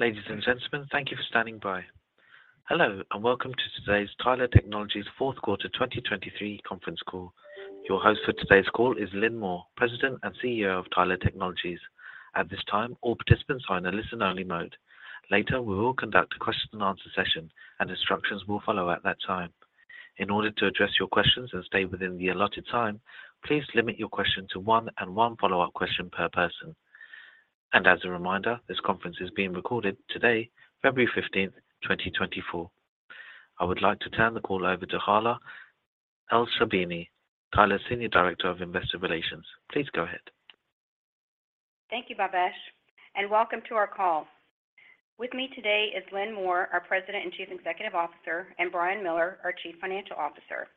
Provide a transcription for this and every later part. Ladies and gentlemen, thank you for standing by. Hello and welcome to today's Tyler Technologies' fourth quarter 2023 conference call. Your host for today's call is Lynn Moore, President and CEO of Tyler Technologies. At this time, all participants are in a listen-only mode. Later, we will conduct a question-and-answer session, and instructions will follow at that time. In order to address your questions and stay within the allotted time, please limit your question to one and one follow-up question per person. As a reminder, this conference is being recorded today, February 15th, 2024. I would like to turn the call over to Hala Elsherbini, Tyler's Senior Director of Investor Relations. Please go ahead. Thank you, Bavesh, and welcome to our call. With me today is Lynn Moore, our President and Chief Executive Officer, and Brian Miller, our Chief Financial Officer.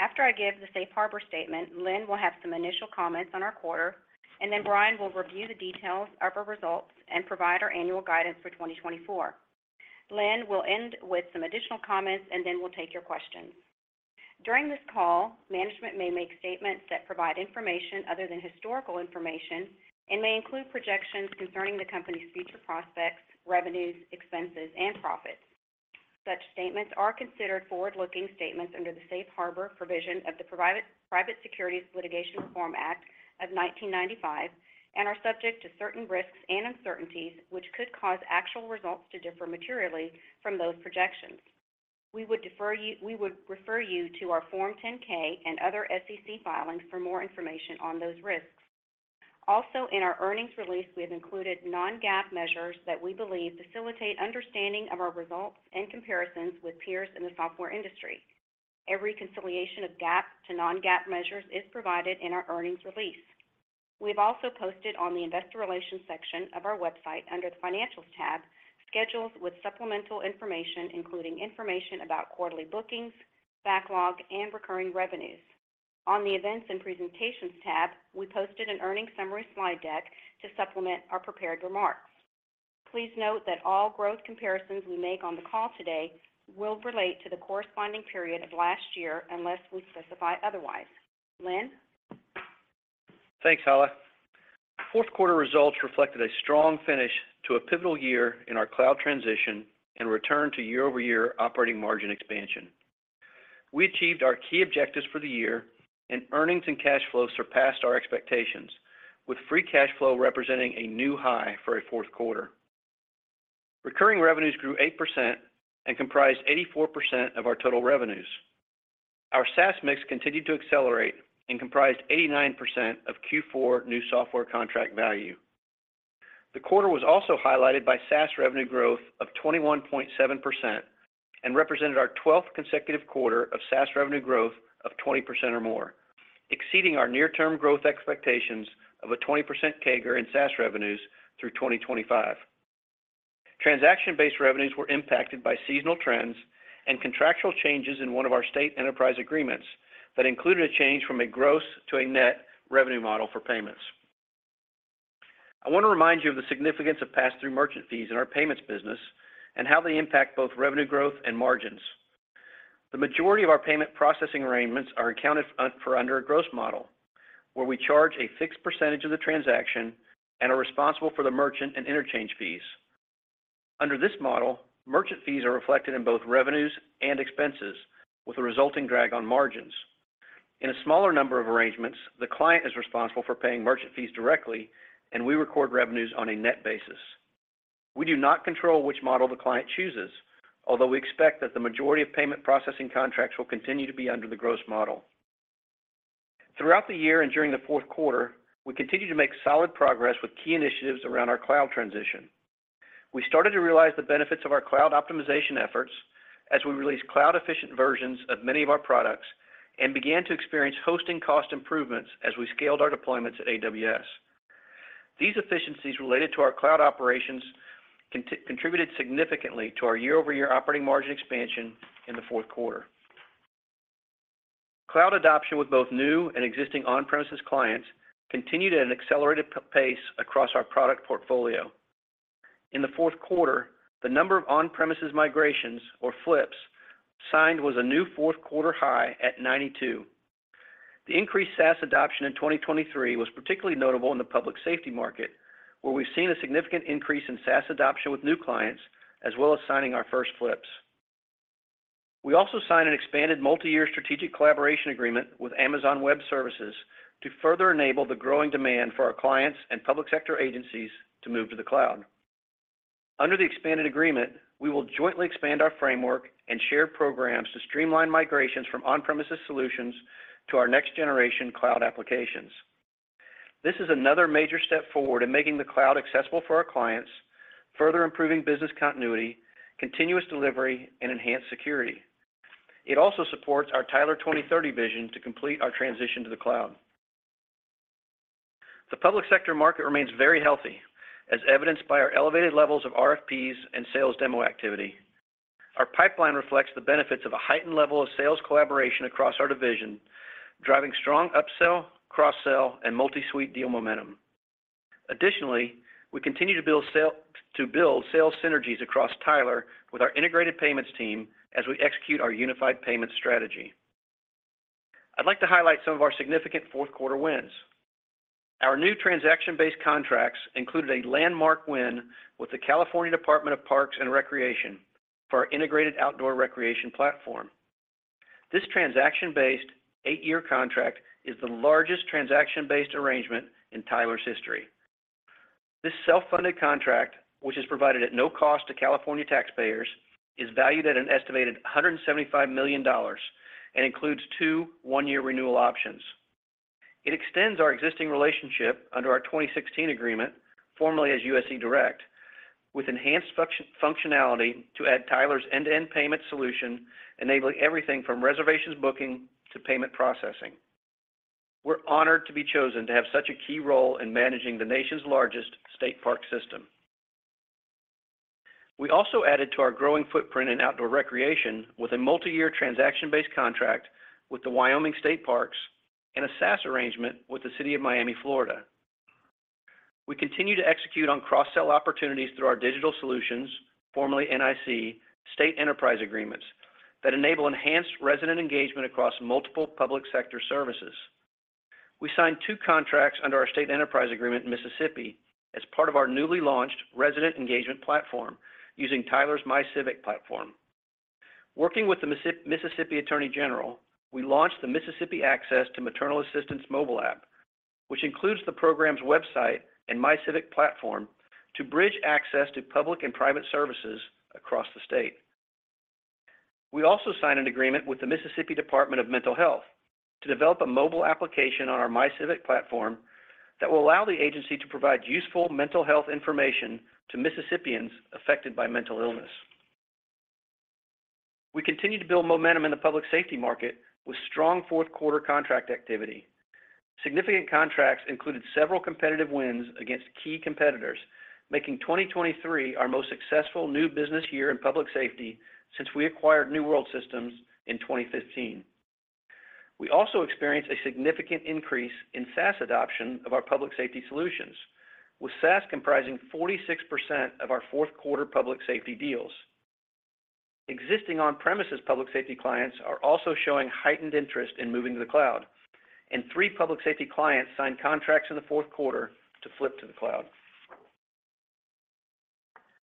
After I give the Safe Harbor Statement, Lynn will have some initial comments on our quarter, and then Brian will review the details, our results, and provide our annual guidance for 2024. Lynn will end with some additional comments, and then we'll take your questions. During this call, management may make statements that provide information other than historical information and may include projections concerning the company's future prospects, revenues, expenses, and profits. Such statements are considered forward-looking statements under the Safe Harbor provision of the Private Securities Litigation Reform Act of 1995 and are subject to certain risks and uncertainties which could cause actual results to differ materially from those projections. We would refer you to our Form 10-K and other SEC filings for more information on those risks. Also, in our earnings release, we have included non-GAAP measures that we believe facilitate understanding of our results and comparisons with peers in the software industry. Reconciliation of GAAP to non-GAAP measures is provided in our earnings release. We have also posted on the Investor Relations section of our website under the Financials tab schedules with supplemental information, including information about quarterly bookings, backlog, and recurring revenues. On the Events and Presentations tab, we posted an earnings summary slide deck to supplement our prepared remarks. Please note that all growth comparisons we make on the call today will relate to the corresponding period of last year unless we specify otherwise. Lynn? Thanks, Hala. Fourth quarter results reflected a strong finish to a pivotal year in our cloud transition and return to year-over-year operating margin expansion. We achieved our key objectives for the year, and earnings and cash flow surpassed our expectations, with free cash flow representing a new high for a fourth quarter. Recurring revenues grew 8% and comprised 84% of our total revenues. Our SaaS mix continued to accelerate and comprised 89% of Q4 new software contract value. The quarter was also highlighted by SaaS revenue growth of 21.7% and represented our 12th consecutive quarter of SaaS revenue growth of 20% or more, exceeding our near-term growth expectations of a 20% CAGR in SaaS revenues through 2025. Transaction-based revenues were impacted by seasonal trends and contractual changes in one of our state enterprise agreements that included a change from a gross to a net revenue model for payments. I want to remind you of the significance of pass-through merchant fees in our payments business and how they impact both revenue growth and margins. The majority of our payment processing arrangements are accounted for under a gross model, where we charge a fixed percentage of the transaction and are responsible for the merchant and interchange fees. Under this model, merchant fees are reflected in both revenues and expenses, with a resulting drag on margins. In a smaller number of arrangements, the client is responsible for paying merchant fees directly, and we record revenues on a net basis. We do not control which model the client chooses, although we expect that the majority of payment processing contracts will continue to be under the gross model. Throughout the year and during the fourth quarter, we continue to make solid progress with key initiatives around our cloud transition. We started to realize the benefits of our cloud optimization efforts as we released cloud-efficient versions of many of our products and began to experience hosting cost improvements as we scaled our deployments at AWS. These efficiencies related to our cloud operations contributed significantly to our year-over-year operating margin expansion in the fourth quarter. Cloud adoption with both new and existing on-premises clients continued at an accelerated pace across our product portfolio. In the fourth quarter, the number of on-premises migrations, or flips, signed was a new fourth quarter high at 92. The increased SaaS adoption in 2023 was particularly notable in the public safety market, where we've seen a significant increase in SaaS adoption with new clients as well as signing our first flips. We also signed an expanded multi-year strategic collaboration agreement with Amazon Web Services to further enable the growing demand for our clients and public sector agencies to move to the cloud. Under the expanded agreement, we will jointly expand our framework and shared programs to streamline migrations from on-premises solutions to our next-generation cloud applications. This is another major step forward in making the cloud accessible for our clients, further improving business continuity, continuous delivery, and enhanced security. It also supports our Tyler 2030 vision to complete our transition to the cloud. The public sector market remains very healthy, as evidenced by our elevated levels of RFPs and sales demo activity. Our pipeline reflects the benefits of a heightened level of sales collaboration across our division, driving strong upsell, cross-sell, and multi-suite deal momentum. Additionally, we continue to build sales synergies across Tyler with our integrated payments team as we execute our unified payments strategy. I'd like to highlight some of our significant fourth quarter wins. Our new transaction-based contracts included a landmark win with the California Department of Parks and Recreation for our integrated outdoor recreation platform. This transaction-based eight-year contract is the largest transaction-based arrangement in Tyler's history. This self-funded contract, which is provided at no cost to California taxpayers, is valued at an estimated $175 million and includes two one-year renewal options. It extends our existing relationship under our 2016 agreement, formerly as U.S. eDirect, with enhanced functionality to add Tyler's end-to-end payment solution, enabling everything from reservations booking to payment processing. We're honored to be chosen to have such a key role in managing the nation's largest state park system. We also added to our growing footprint in outdoor recreation with a multi-year transaction-based contract with the Wyoming State Parks and a SaaS arrangement with the City of Miami, Florida. We continue to execute on cross-sell opportunities through our digital solutions, formerly NIC, state enterprise agreements that enable enhanced resident engagement across multiple public sector services. We signed two contracts under our state enterprise agreement in Mississippi as part of our newly launched resident engagement platform using Tyler's MyCivic platform. Working with the Mississippi Attorney General, we launched the Mississippi Access to Maternal Assistance Mobile app, which includes the program's website and MyCivic platform to bridge access to public and private services across the state. We also signed an agreement with the Mississippi Department of Mental Health to develop a mobile application on our MyCivic platform that will allow the agency to provide useful mental health information to Mississippians affected by mental illness. We continue to build momentum in the public safety market with strong fourth quarter contract activity. Significant contracts included several competitive wins against key competitors, making 2023 our most successful new business year in public safety since we acquired New World Systems in 2015. We also experienced a significant increase in SaaS adoption of our public safety solutions, with SaaS comprising 46% of our fourth quarter public safety deals. Existing on-premises public safety clients are also showing heightened interest in moving to the cloud, and three public safety clients signed contracts in the fourth quarter to flip to the cloud.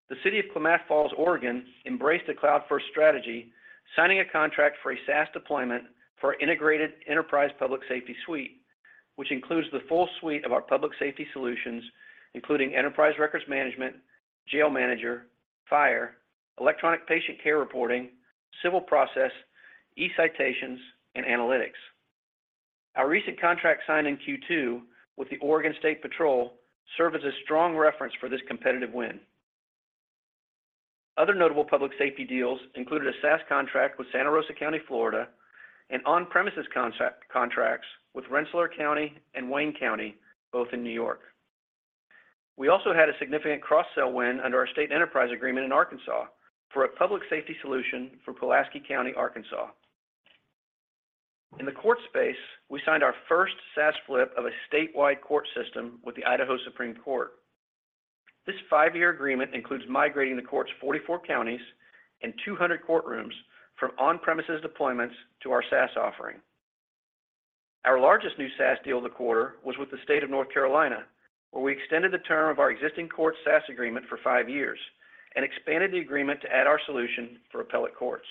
The City of Klamath Falls, Oregon, embraced a cloud-first strategy, signing a contract for a SaaS deployment for our integrated enterprise public safety suite, which includes the full suite of our public safety solutions, including Enterprise Records Management, Jail Manager, fire, electronic patient care reporting, civil process, e-citations, and analytics. Our recent contract signed in Q2 with the Oregon State Patrol served as a strong reference for this competitive win. Other notable public safety deals included a SaaS contract with Santa Rosa County, Florida, and on-premises contracts with Rensselaer County and Wayne County, both in New York. We also had a significant cross-sell win under our state enterprise agreement in Arkansas for a public safety solution for Pulaski County, Arkansas. In the court space, we signed our first SaaS flip of a statewide court system with the Idaho Supreme Court. This 5-year agreement includes migrating the court's 44 counties and 200 courtrooms from on-premises deployments to our SaaS offering. Our largest new SaaS deal of the quarter was with the State of North Carolina, where we extended the term of our existing court's SaaS agreement for 5 years and expanded the agreement to add our solution for appellate courts.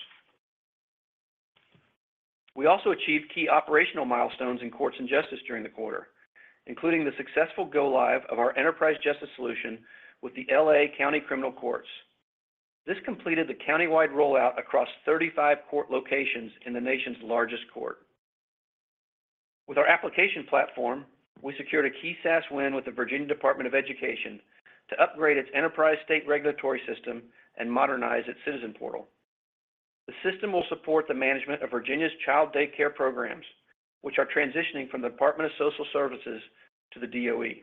We also achieved key operational milestones in courts and justice during the quarter, including the successful go-live of our Enterprise Justice solution with the LA County Criminal Courts. This completed the county-wide rollout across 35 court locations in the nation's largest court. With our application platform, we secured a key SaaS win with the Virginia Department of Education to upgrade its enterprise state regulatory system and modernize its citizen portal. The system will support the management of Virginia's child daycare programs, which are transitioning from the Department of Social Services to the DOE.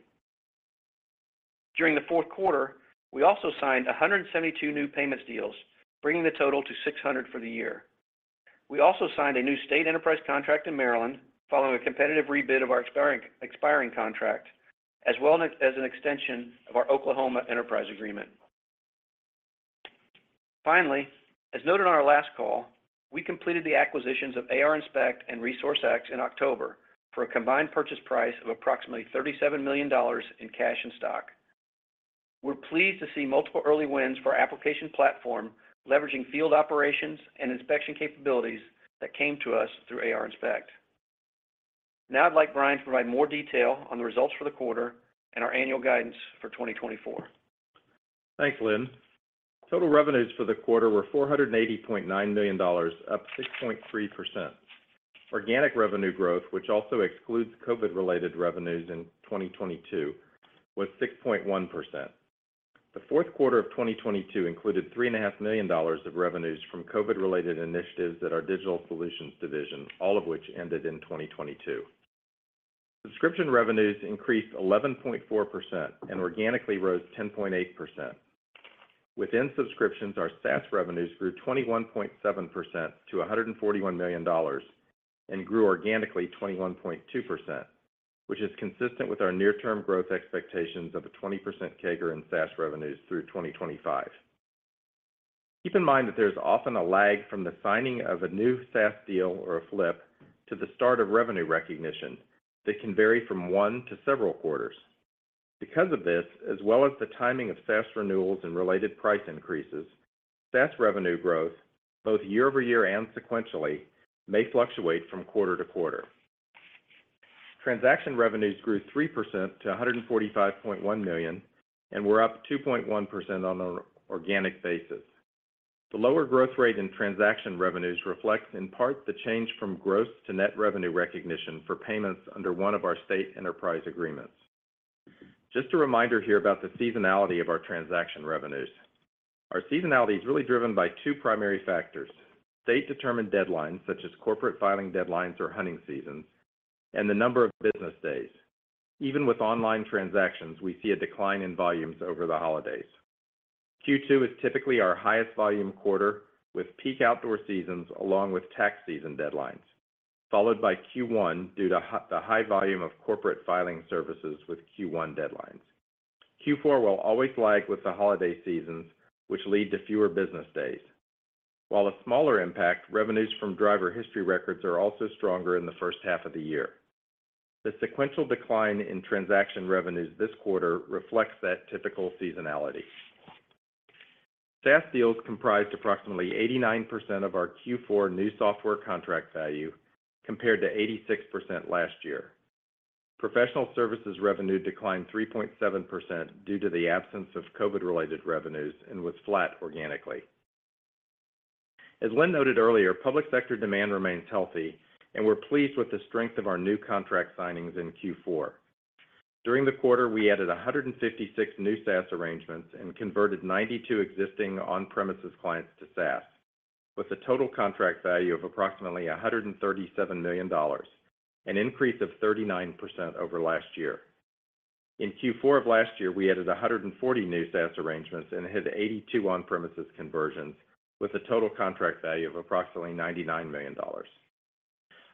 During the fourth quarter, we also signed 172 new payments deals, bringing the total to 600 for the year. We also signed a new state enterprise contract in Maryland following a competitive rebid of our expiring contract, as well as an extension of our Oklahoma enterprise agreement. Finally, as noted on our last call, we completed the acquisitions of ARInspect and ResourceX in October for a combined purchase price of approximately $37 million in cash and stock. We're pleased to see multiple early wins for our application platform leveraging field operations and inspection capabilities that came to us through ARInspect. Now I'd like Brian to provide more detail on the results for the quarter and our annual guidance for 2024. Thanks, Lynn. Total revenues for the quarter were $480.9 million, up 6.3%. Organic revenue growth, which also excludes COVID-related revenues in 2022, was 6.1%. The fourth quarter of 2022 included $3.5 million of revenues from COVID-related initiatives at our digital solutions division, all of which ended in 2022. Subscription revenues increased 11.4% and organically rose 10.8%. Within subscriptions, our SaaS revenues grew 21.7% to $141 million and grew organically 21.2%, which is consistent with our near-term growth expectations of a 20% CAGR in SaaS revenues through 2025. Keep in mind that there's often a lag from the signing of a new SaaS deal or a flip to the start of revenue recognition that can vary from one to several quarters. Because of this, as well as the timing of SaaS renewals and related price increases, SaaS revenue growth, both year-over-year and sequentially, may fluctuate from quarter to quarter. Transaction revenues grew 3% to $145.1 million and were up 2.1% on an organic basis. The lower growth rate in transaction revenues reflects in part the change from gross to net revenue recognition for payments under one of our state enterprise agreements. Just a reminder here about the seasonality of our transaction revenues. Our seasonality is really driven by two primary factors: state-determined deadlines such as corporate filing deadlines or hunting seasons, and the number of business days. Even with online transactions, we see a decline in volumes over the holidays. Q2 is typically our highest volume quarter with peak outdoor seasons along with tax season deadlines, followed by Q1 due to the high volume of corporate filing services with Q1 deadlines. Q4 will always lag with the holiday seasons, which lead to fewer business days. While a smaller impact, revenues from driver history records are also stronger in the first half of the year. The sequential decline in transaction revenues this quarter reflects that typical seasonality. SaaS deals comprised approximately 89% of our Q4 new software contract value compared to 86% last year. Professional services revenue declined 3.7% due to the absence of COVID-related revenues and was flat organically. As Lynn noted earlier, public sector demand remains healthy, and we're pleased with the strength of our new contract signings in Q4. During the quarter, we added 156 new SaaS arrangements and converted 92 existing on-premises clients to SaaS, with a total contract value of approximately $137 million, an increase of 39% over last year. In Q4 of last year, we added 140 new SaaS arrangements and hit 82 on-premises conversions, with a total contract value of approximately $99 million.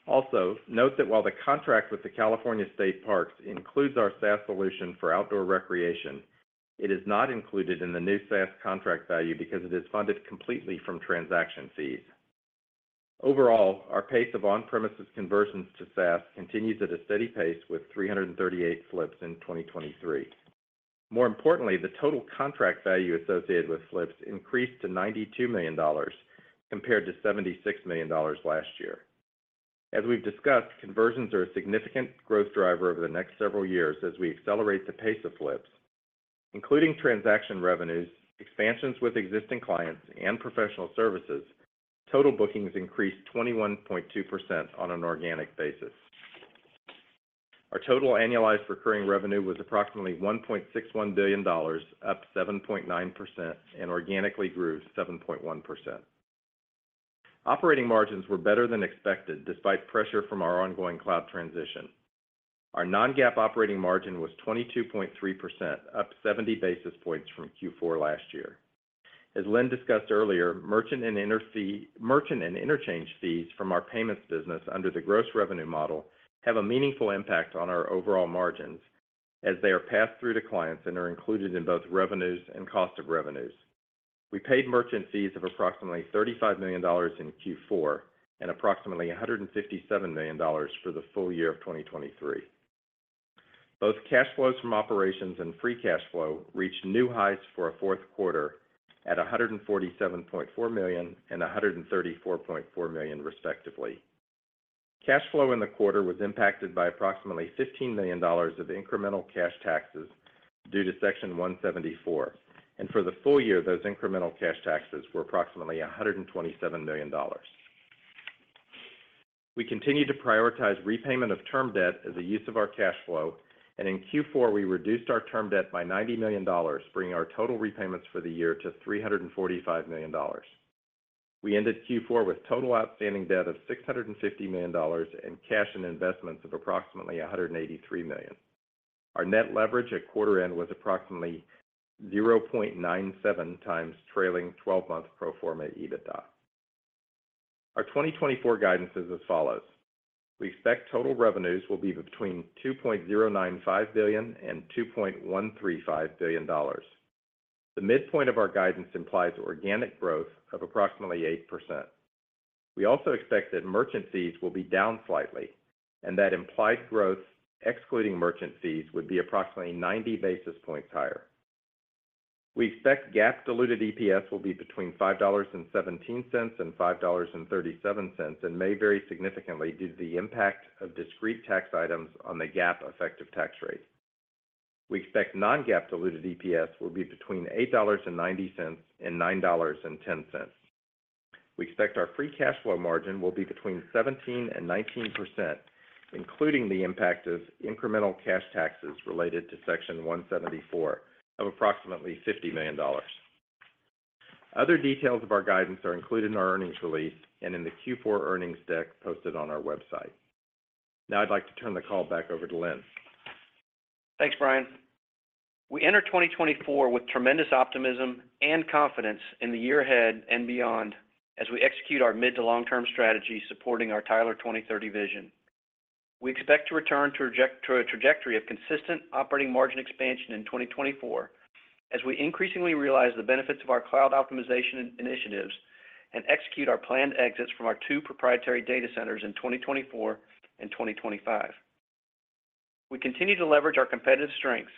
Also, note that while the contract with the California State Parks includes our SaaS solution for outdoor recreation, it is not included in the new SaaS contract value because it is funded completely from transaction fees. Overall, our pace of on-premises conversions to SaaS continues at a steady pace with 338 flips in 2023. More importantly, the total contract value associated with flips increased to $92 million compared to $76 million last year. As we've discussed, conversions are a significant growth driver over the next several years as we accelerate the pace of flips. Including transaction revenues, expansions with existing clients, and professional services, total bookings increased 21.2% on an organic basis. Our total annualized recurring revenue was approximately $1.61 billion, up 7.9%, and organically grew 7.1%. Operating margins were better than expected despite pressure from our ongoing cloud transition. Our non-GAAP operating margin was 22.3%, up 70 basis points from Q4 last year. As Lynn discussed earlier, merchant and interchange fees from our payments business under the gross revenue model have a meaningful impact on our overall margins as they are passed through to clients and are included in both revenues and cost of revenues. We paid merchant fees of approximately $35 million in Q4 and approximately $157 million for the full year of 2023. Both cash flows from operations and free cash flow reached new highs for a fourth quarter at $147.4 million and $134.4 million, respectively. Cash flow in the quarter was impacted by approximately $15 million of incremental cash taxes due to Section 174, and for the full year, those incremental cash taxes were approximately $127 million. We continue to prioritize repayment of term debt as a use of our cash flow, and in Q4, we reduced our term debt by $90 million, bringing our total repayments for the year to $345 million. We ended Q4 with total outstanding debt of $650 million and cash and investments of approximately $183 million. Our net leverage at quarter end was approximately 0.97 times trailing 12-month pro forma EBITDA. Our 2024 guidance is as follows. We expect total revenues will be between $2.095 billion-$2.135 billion. The midpoint of our guidance implies organic growth of approximately 8%. We also expect that merchant fees will be down slightly, and that implied growth, excluding merchant fees, would be approximately 90 basis points higher. We expect GAAP diluted EPS will be between $5.17-$5.37 and may vary significantly due to the impact of discrete tax items on the GAAP effective tax rate. We expect non-GAAP diluted EPS will be between $8.90-$9.10. We expect our free cash flow margin will be between 17%-19%, including the impact of incremental cash taxes related to Section 174 of approximately $50 million. Other details of our guidance are included in our earnings release and in the Q4 earnings deck posted on our website. Now I'd like to turn the call back over to Lynn. Thanks, Brian. We enter 2024 with tremendous optimism and confidence in the year ahead and beyond as we execute our mid- to long-term strategy supporting our Tyler 2030 vision. We expect to return to a trajectory of consistent operating margin expansion in 2024 as we increasingly realize the benefits of our cloud optimization initiatives and execute our planned exits from our two proprietary data centers in 2024 and 2025. We continue to leverage our competitive strengths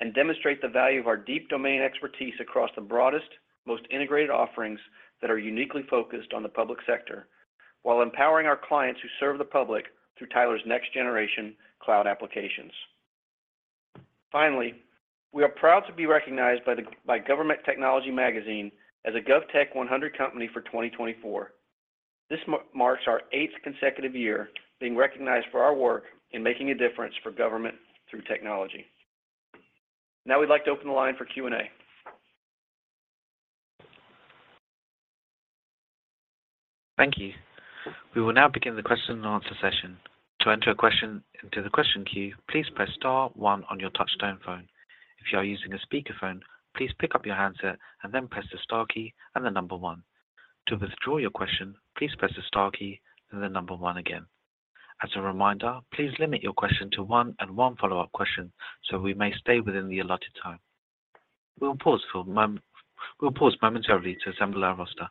and demonstrate the value of our deep domain expertise across the broadest, most integrated offerings that are uniquely focused on the public sector while empowering our clients who serve the public through Tyler's next-generation cloud applications. Finally, we are proud to be recognized by Government Technology Magazine as a GovTech 100 company for 2024. This marks our eighth consecutive year being recognized for our work in making a difference for government through technology. Now we'd like to open the line for Q&A. Thank you. We will now begin the question and answer session. To enter a question into the question queue, please press star one on your touchstone phone. If you are using a speakerphone, please pick up your handset and then press the star key and the number one. To withdraw your question, please press the star key and the number one again. As a reminder, please limit your question to one and one follow-up question so we may stay within the allotted time. We will pause momentarily to assemble our roster.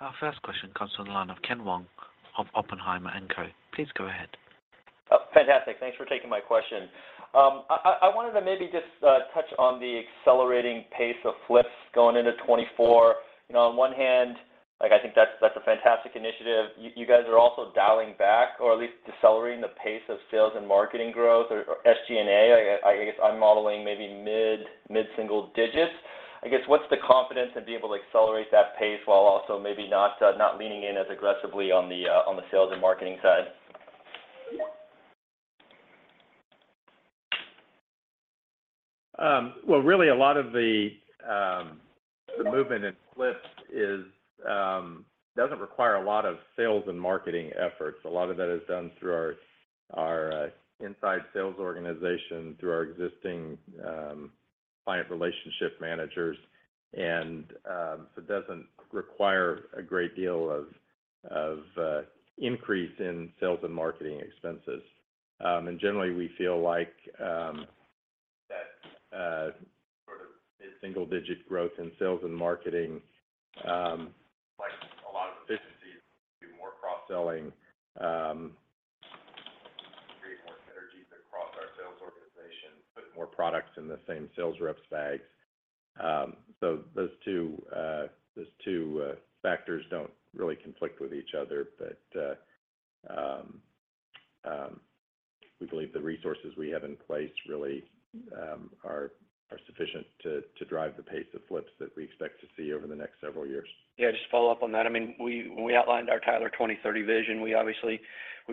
Our first question comes from the line of Ken Wong of Oppenheimer & Co. Please go ahead. Fantastic. Thanks for taking my question. I wanted to maybe just touch on the accelerating pace of flips going into 2024. On one hand, I think that's a fantastic initiative. You guys are also dialing back or at least decelerating the pace of sales and marketing growth or SG&A. I'm modeling maybe mid-single digits. I guess what's the confidence in being able to accelerate that pace while also maybe not leaning in as aggressively on the sales and marketing side? Well, really, a lot of the movement in flips doesn't require a lot of sales and marketing efforts. A lot of that is done through our inside sales organization, through our existing client relationship managers, and so doesn't require a great deal of increase in sales and marketing expenses. Generally, we feel like sort of mid-single digit growth in sales and marketing, a lot of efficiencies, do more cross-selling, create more synergies across our sales organization, put more products in the same sales reps' bags. So those two factors don't really conflict with each other, but we believe the resources we have in place really are sufficient to drive the pace of flips that we expect to see over the next several years. Yeah, just to follow up on that. I mean, when we outlined our Tyler 2030 vision, we've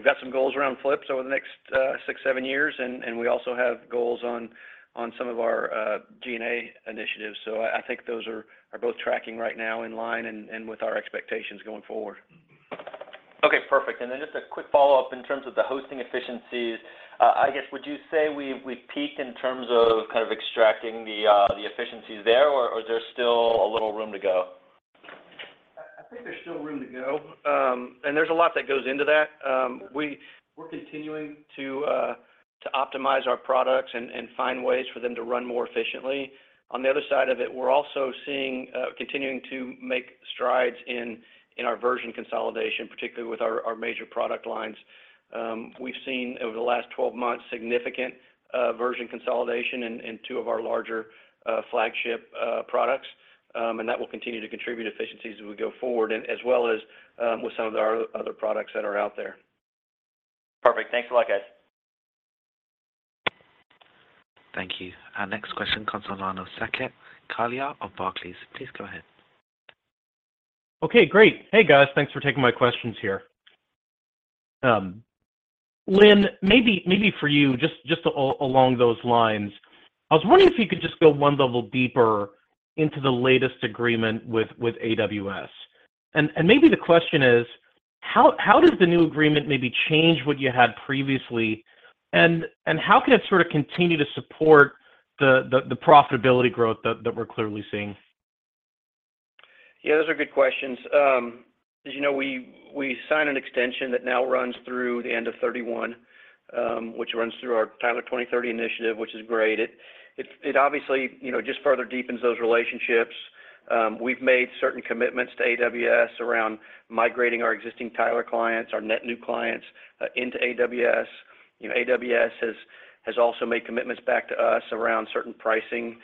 got some goals around flips over the next 6-7 years, and we also have goals on some of our G&A initiatives. So I think those are both tracking right now in line with our expectations going forward. Okay, perfect. Then just a quick follow-up in terms of the hosting efficiencies. I guess, would you say we've peaked in terms of kind of extracting the efficiencies there, or is there still a little room to go? I think there's still room to go, and there's a lot that goes into that. We're continuing to optimize our products and find ways for them to run more efficiently. On the other side of it, we're also continuing to make strides in our version consolidation, particularly with our major product lines. We've seen, over the last 12 months, significant version consolidation in two of our larger flagship products, and that will continue to contribute efficiencies as we go forward, as well as with some of our other products that are out there. Perfect. Thanks a lot, guys. Thank you. Our next question comes from the line of Saket Kalia of Barclays. Please go ahead. Okay, great. Hey, guys. Thanks for taking my questions here. Lynn, maybe for you, just along those lines, I was wondering if you could just go one level deeper into the latest agreement with AWS. Maybe the question is, how does the new agreement maybe change what you had previously, and how can it sort of continue to support the profitability growth that we're clearly seeing? Yeah, those are good questions. As you know, we signed an extension that now runs through the end of 2031, which runs through our Tyler 2030 initiative, which is great. It obviously just further deepens those relationships. We've made certain commitments to AWS around migrating our existing Tyler clients, our net new clients, into AWS. AWS has also made commitments back to us around certain pricing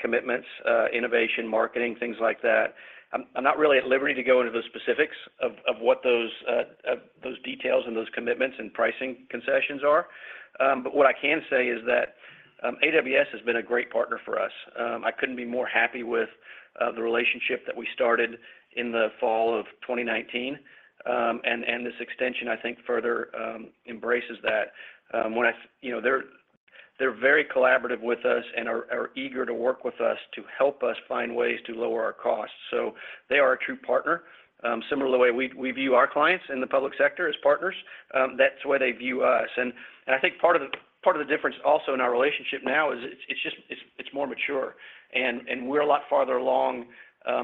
commitments, innovation, marketing, things like that. I'm not really at liberty to go into the specifics of what those details and those commitments and pricing concessions are, but what I can say is that AWS has been a great partner for us. I couldn't be more happy with the relationship that we started in the fall of 2019, and this extension, I think, further embraces that. They're very collaborative with us and are eager to work with us to help us find ways to lower our costs. They are a true partner. Similar to the way we view our clients in the public sector as partners, that's the way they view us. I think part of the difference also in our relationship now is it's more mature, and we're a lot farther along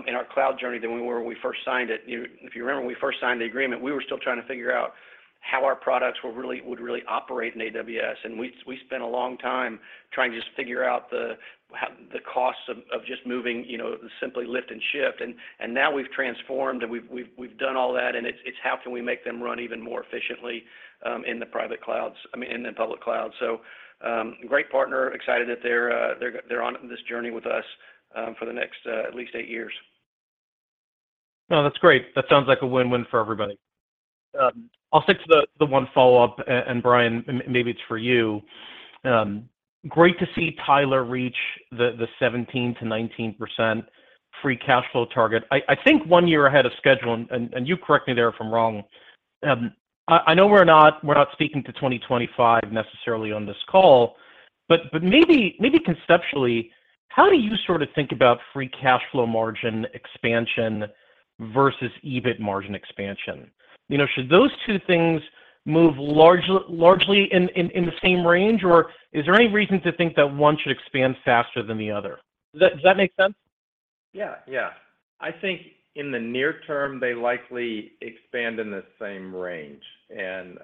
in our cloud journey than we were when we first signed it. If you remember, when we first signed the agreement, we were still trying to figure out how our products would really operate in AWS, and we spent a long time trying to just figure out the costs of just moving, simply lift and shift. And now we've transformed, and we've done all that, and it's how can we make them run even more efficiently in the private clouds, I mean, in the public clouds. So great partner, excited that they're on this journey with us for the next at least eight years. No, that's great. That sounds like a win-win for everybody. I'll stick to the one follow-up, and Brian, maybe it's for you. Great to see Tyler reach the 17%-19% free cash flow target. I think one year ahead of schedule, and you correct me there if I'm wrong. I know we're not speaking to 2025 necessarily on this call, but maybe conceptually, how do you sort of think about free cash flow margin expansion versus EBIT margin expansion? Should those two things move largely in the same range, or is there any reason to think that one should expand faster than the other? Does that make sense? Yeah, yeah. I think in the near term, they likely expand in the same range, and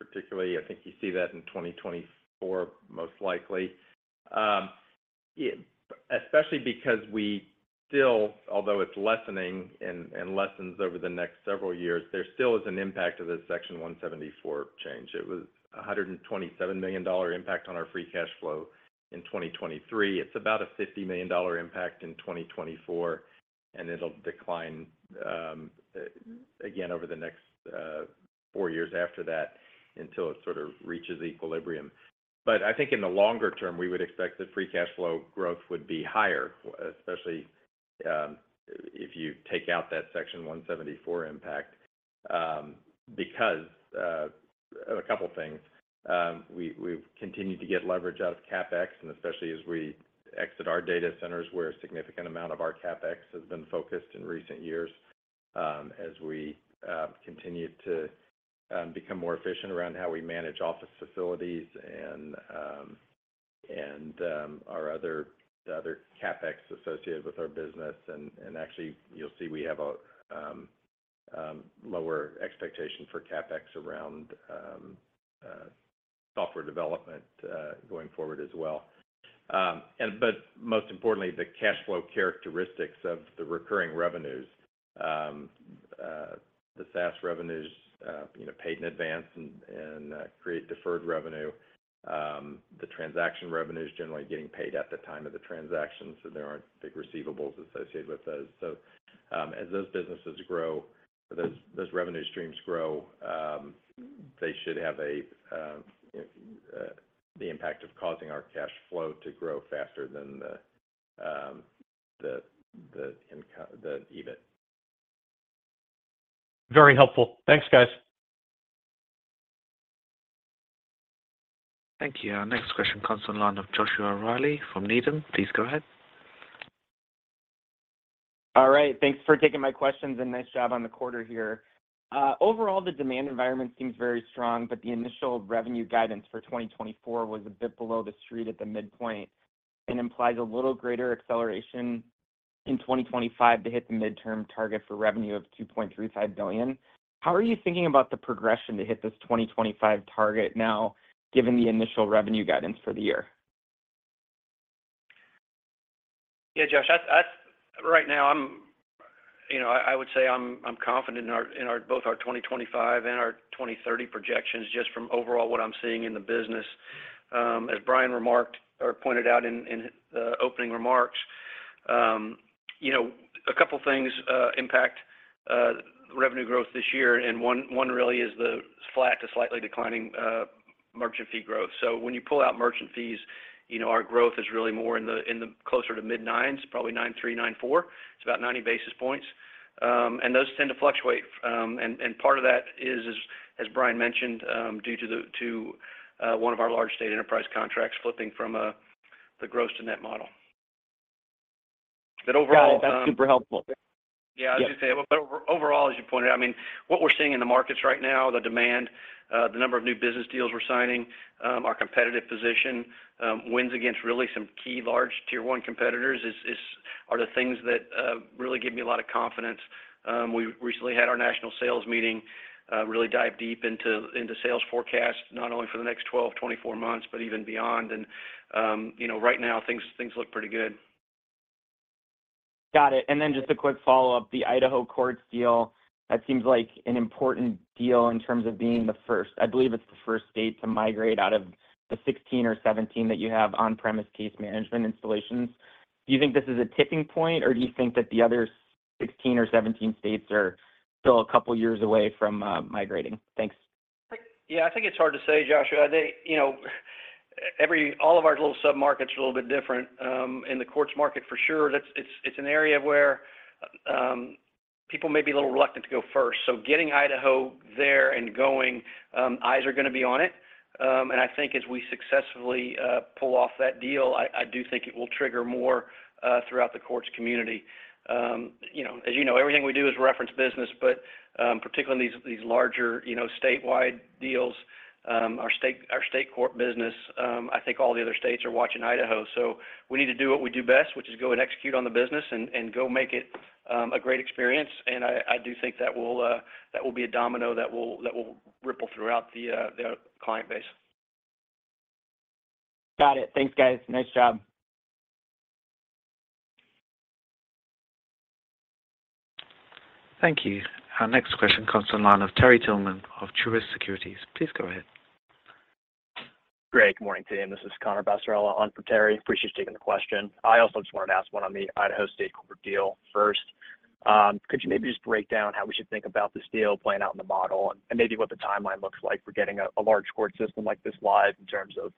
particularly, I think you see that in 2024, most likely, especially because we still, although it's lessening and lessens over the next several years, there still is an impact of this Section 174 change. It was a $127 million impact on our free cash flow in 2023. It's about a $50 million impact in 2024, and it'll decline, again, over the next four years after that until it sort of reaches equilibrium. But I think in the longer term, we would expect that free cash flow growth would be higher, especially if you take out that Section 174 impact because of a couple of things. We've continued to get leverage out of CapEx, and especially as we exit our data centers, where a significant amount of our CapEx has been focused in recent years as we continue to become more efficient around how we manage office facilities and the other CapEx associated with our business. And actually, you'll see we have a lower expectation for CapEx around software development going forward as well. But most importantly, the cash flow characteristics of the recurring revenues, the SaaS revenues paid in advance and create deferred revenue, the transaction revenues generally getting paid at the time of the transaction, so there aren't big receivables associated with those. So as those businesses grow, those revenue streams grow, they should have the impact of causing our cash flow to grow faster than the EBIT. Very helpful. Thanks, guys. Thank you. Our next question comes on line of Joshua Reilly from Needham. Please go ahead. All right. Thanks for taking my questions, and nice job on the quarter here. Overall, the demand environment seems very strong, but the initial revenue guidance for 2024 was a bit below the street at the midpoint and implies a little greater acceleration in 2025 to hit the midterm target for revenue of $2.35 billion. How are you thinking about the progression to hit this 2025 target now, given the initial revenue guidance for the year? Yeah, Josh, right now, I would say I'm confident in both our 2025 and our 2030 projections just from overall what I'm seeing in the business. As Brian remarked or pointed out in the opening remarks, a couple of things impact revenue growth this year, and one really is the flat to slightly declining merchant fee growth. So when you pull out merchant fees, our growth is really more in the closer to mid-nines, probably 9.3, 9.4. It's about 90 basis points. And those tend to fluctuate. And part of that is, as Brian mentioned, due to one of our large state enterprise contracts flipping from the gross to net model. But overall. That's super helpful. Yeah, I was going to say, but overall, as you pointed out, I mean, what we're seeing in the markets right now, the demand, the number of new business deals we're signing, our competitive position wins against really some key large tier-one competitors are the things that really give me a lot of confidence. We recently had our national sales meeting really dive deep into sales forecasts, not only for the next 12, 24 months, but even beyond. Right now, things look pretty good. Got it. And then just a quick follow-up, the Idaho courts deal, that seems like an important deal in terms of being the first. I believe it's the first state to migrate out of the 16 or 17 that you have on-premises case management installations. Do you think this is a tipping point, or do you think that the other 16 or 17 states are still a couple of years away from migrating? Thanks. Yeah, I think it's hard to say, Joshua. All of our little submarkets are a little bit different. In the courts market, for sure, it's an area where people may be a little reluctant to go first. So getting Idaho there and going, eyes are going to be on it. And I think as we successfully pull off that deal, I do think it will trigger more throughout the courts community. As you know, everything we do is reference business, but particularly in these larger statewide deals, our state court business, I think all the other states are watching Idaho. So we need to do what we do best, which is go and execute on the business and go make it a great experience. And I do think that will be a domino that will ripple throughout the client base. Got it. Thanks, guys. Nice job. Thank you. Our next question comes on line of Terry Tillman of Truist Securities. Please go ahead. Great. Good morning, Tim. This is Conor Passarella on for Terry. Appreciate you taking the question. I also just wanted to ask one on the Idaho state court deal first. Could you maybe just break down how we should think about this deal playing out in the model and maybe what the timeline looks like for getting a large court system like this live in terms of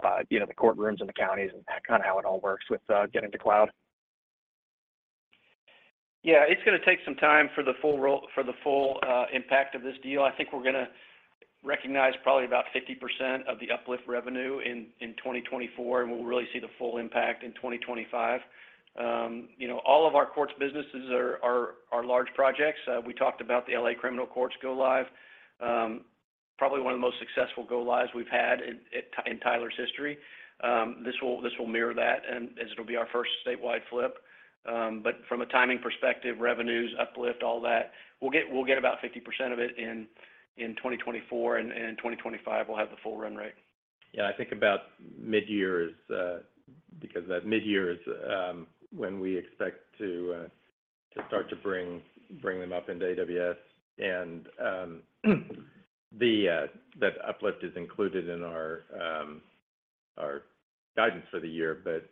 the courtrooms and the counties and kind of how it all works with getting to cloud? Yeah, it's going to take some time for the full impact of this deal. I think we're going to recognize probably about 50% of the uplift revenue in 2024, and we'll really see the full impact in 2025. All of our courts businesses are large projects. We talked about the LA County Criminal Courts go live, probably one of the most successful go lives we've had in Tyler's history. This will mirror that as it'll be our first statewide flip. But from a timing perspective, revenues, uplift, all that, we'll get about 50% of it in 2024, and in 2025, we'll have the full run rate. Yeah, I think about midyear is because midyear is when we expect to start to bring them up into AWS. And that uplift is included in our guidance for the year, but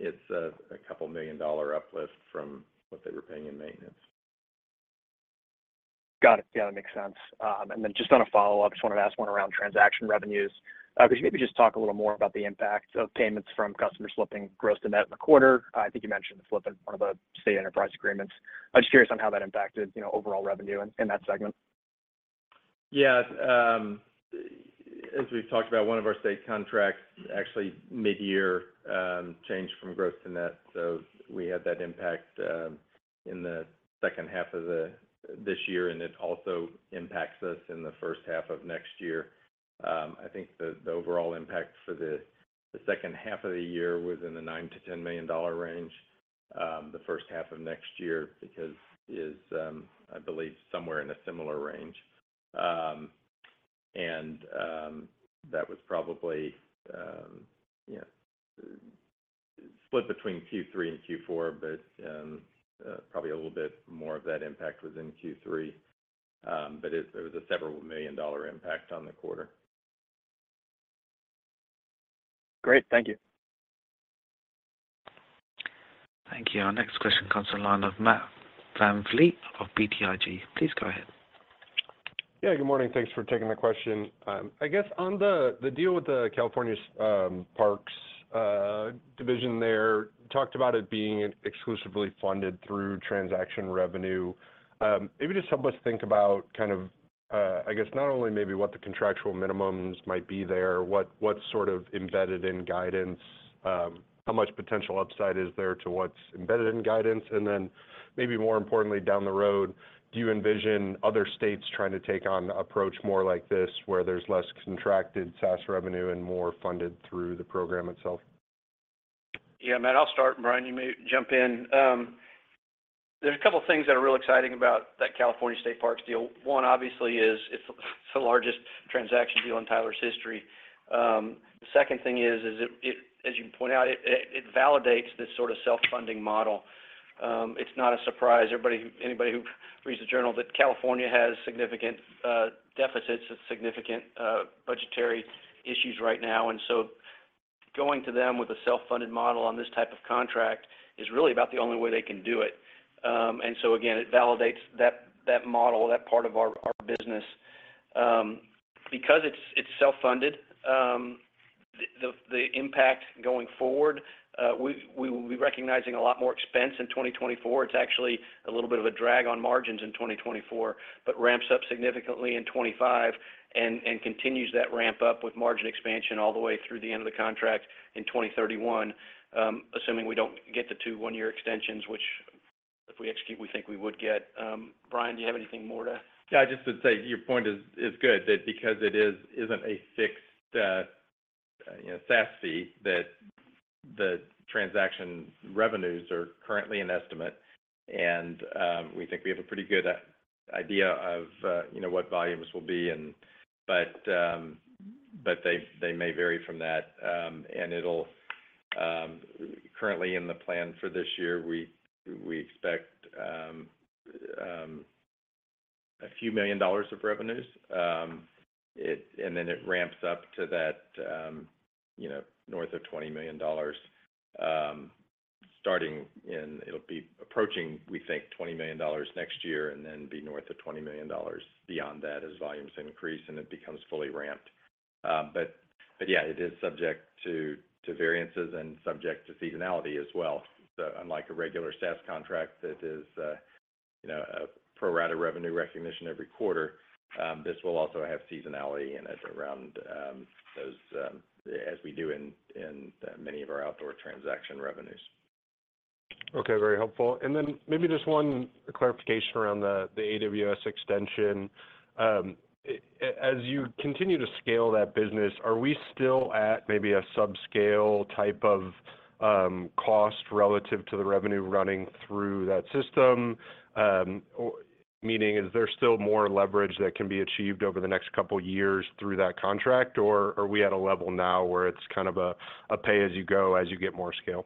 it's a couple of million dollar uplift from what they were paying in maintenance. Got it. Yeah, that makes sense. And then just on a follow-up, I just wanted to ask one around transaction revenues. Could you maybe just talk a little more about the impact of payments from customers flipping gross to net in the quarter? I think you mentioned the flip in one of the state enterprise agreements. I'm just curious on how that impacted overall revenue in that segment? Yeah. As we've talked about, one of our state contracts, actually, midyear changed from gross to net. So we had that impact in the second half of this year, and it also impacts us in the first half of next year. I think the overall impact for the second half of the year was in the $9 million-$10 million range. The first half of next year because is, I believe, somewhere in a similar range. And that was probably split between Q3 and Q4, but probably a little bit more of that impact was in Q3. But it was a several million dollar impact on the quarter. Great. Thank you. Thank you. Our next question comes on line of Matt VanVliet of BTIG. Please go ahead. Yeah, good morning. Thanks for taking the question. I guess on the deal with the California Parks division there, talked about it being exclusively funded through transaction revenue. Maybe just help us think about kind of, I guess, not only maybe what the contractual minimums might be there, what's sort of embedded in guidance, how much potential upside is there to what's embedded in guidance? And then maybe more importantly, down the road, do you envision other states trying to take on an approach more like this where there's less contracted SaaS revenue and more funded through the program itself? Yeah, Matt, I'll start, and Brian, you may jump in. There's a couple of things that are really exciting about that California State Parks deal. One, obviously, is it's the largest transaction deal in Tyler's history. The second thing is, as you point out, it validates this sort of self-funding model. It's not a surprise, anybody who reads the journal, that California has significant deficits and significant budgetary issues right now. And so going to them with a self-funded model on this type of contract is really about the only way they can do it. And so again, it validates that model, that part of our business. Because it's self-funded, the impact going forward, we'll be recognizing a lot more expense in 2024. It's actually a little bit of a drag on margins in 2024, but ramps up significantly in 2025 and continues that ramp up with margin expansion all the way through the end of the contract in 2031, assuming we don't get the two one year extensions, which if we execute, we think we would get. Brian, do you have anything more to? Yeah, I just would say your point is good that because it isn't a fixed SaaS fee, that the transaction revenues are currently an estimate, and we think we have a pretty good idea of what volumes will be, but they may vary from that. Currently, in the plan for this year, we expect a few million dollars of revenues, and then it ramps up to that north of $20 million. It'll be approaching, we think, $20 million next year and then be north of $20 million beyond that as volumes increase and it becomes fully ramped. But yeah, it is subject to variances and subject to seasonality as well. So unlike a regular SaaS contract that is a pro rata revenue recognition every quarter, this will also have seasonality in it around those, as we do in many of our outdoor transaction revenues. Okay, very helpful. Then, maybe just one clarification around the AWS extension. As you continue to scale that business, are we still at maybe a subscale type of cost relative to the revenue running through that system? Meaning, is there still more leverage that can be achieved over the next couple of years through that contract, or are we at a level now where it's kind of a pay-as-you-go as you get more scale?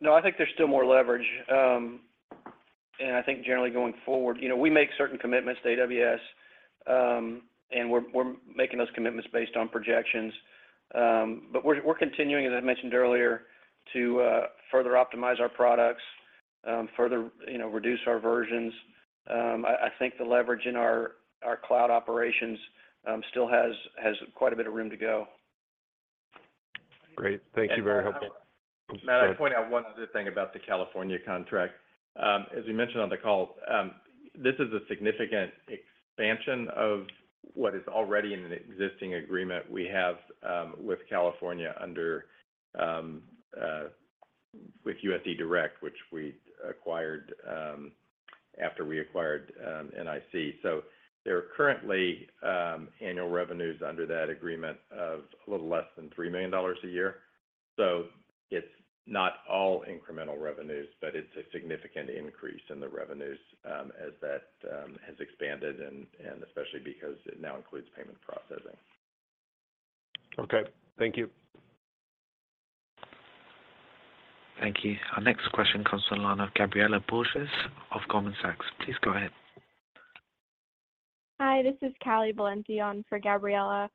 No, I think there's still more leverage. I think generally going forward, we make certain commitments to AWS, and we're making those commitments based on projections. We're continuing, as I mentioned earlier, to further optimize our products, further reduce our versions. I think the leverage in our cloud operations still has quite a bit of room to go. Great. Thank you. Very helpful. Matt, I'd point out one other thing about the California contract. As we mentioned on the call, this is a significant expansion of what is already in an existing agreement we have with California under with U.S. eDirect, which we acquired after we acquired NIC. So there are currently annual revenues under that agreement of a little less than $3 million a year. So it's not all incremental revenues, but it's a significant increase in the revenues as that has expanded, and especially because it now includes payment processing. Okay. Thank you. Thank you. Our next question comes on line of Gabriela Borges of Goldman Sachs. Please go ahead. Hi, this is Callie Valenti for Gabriella.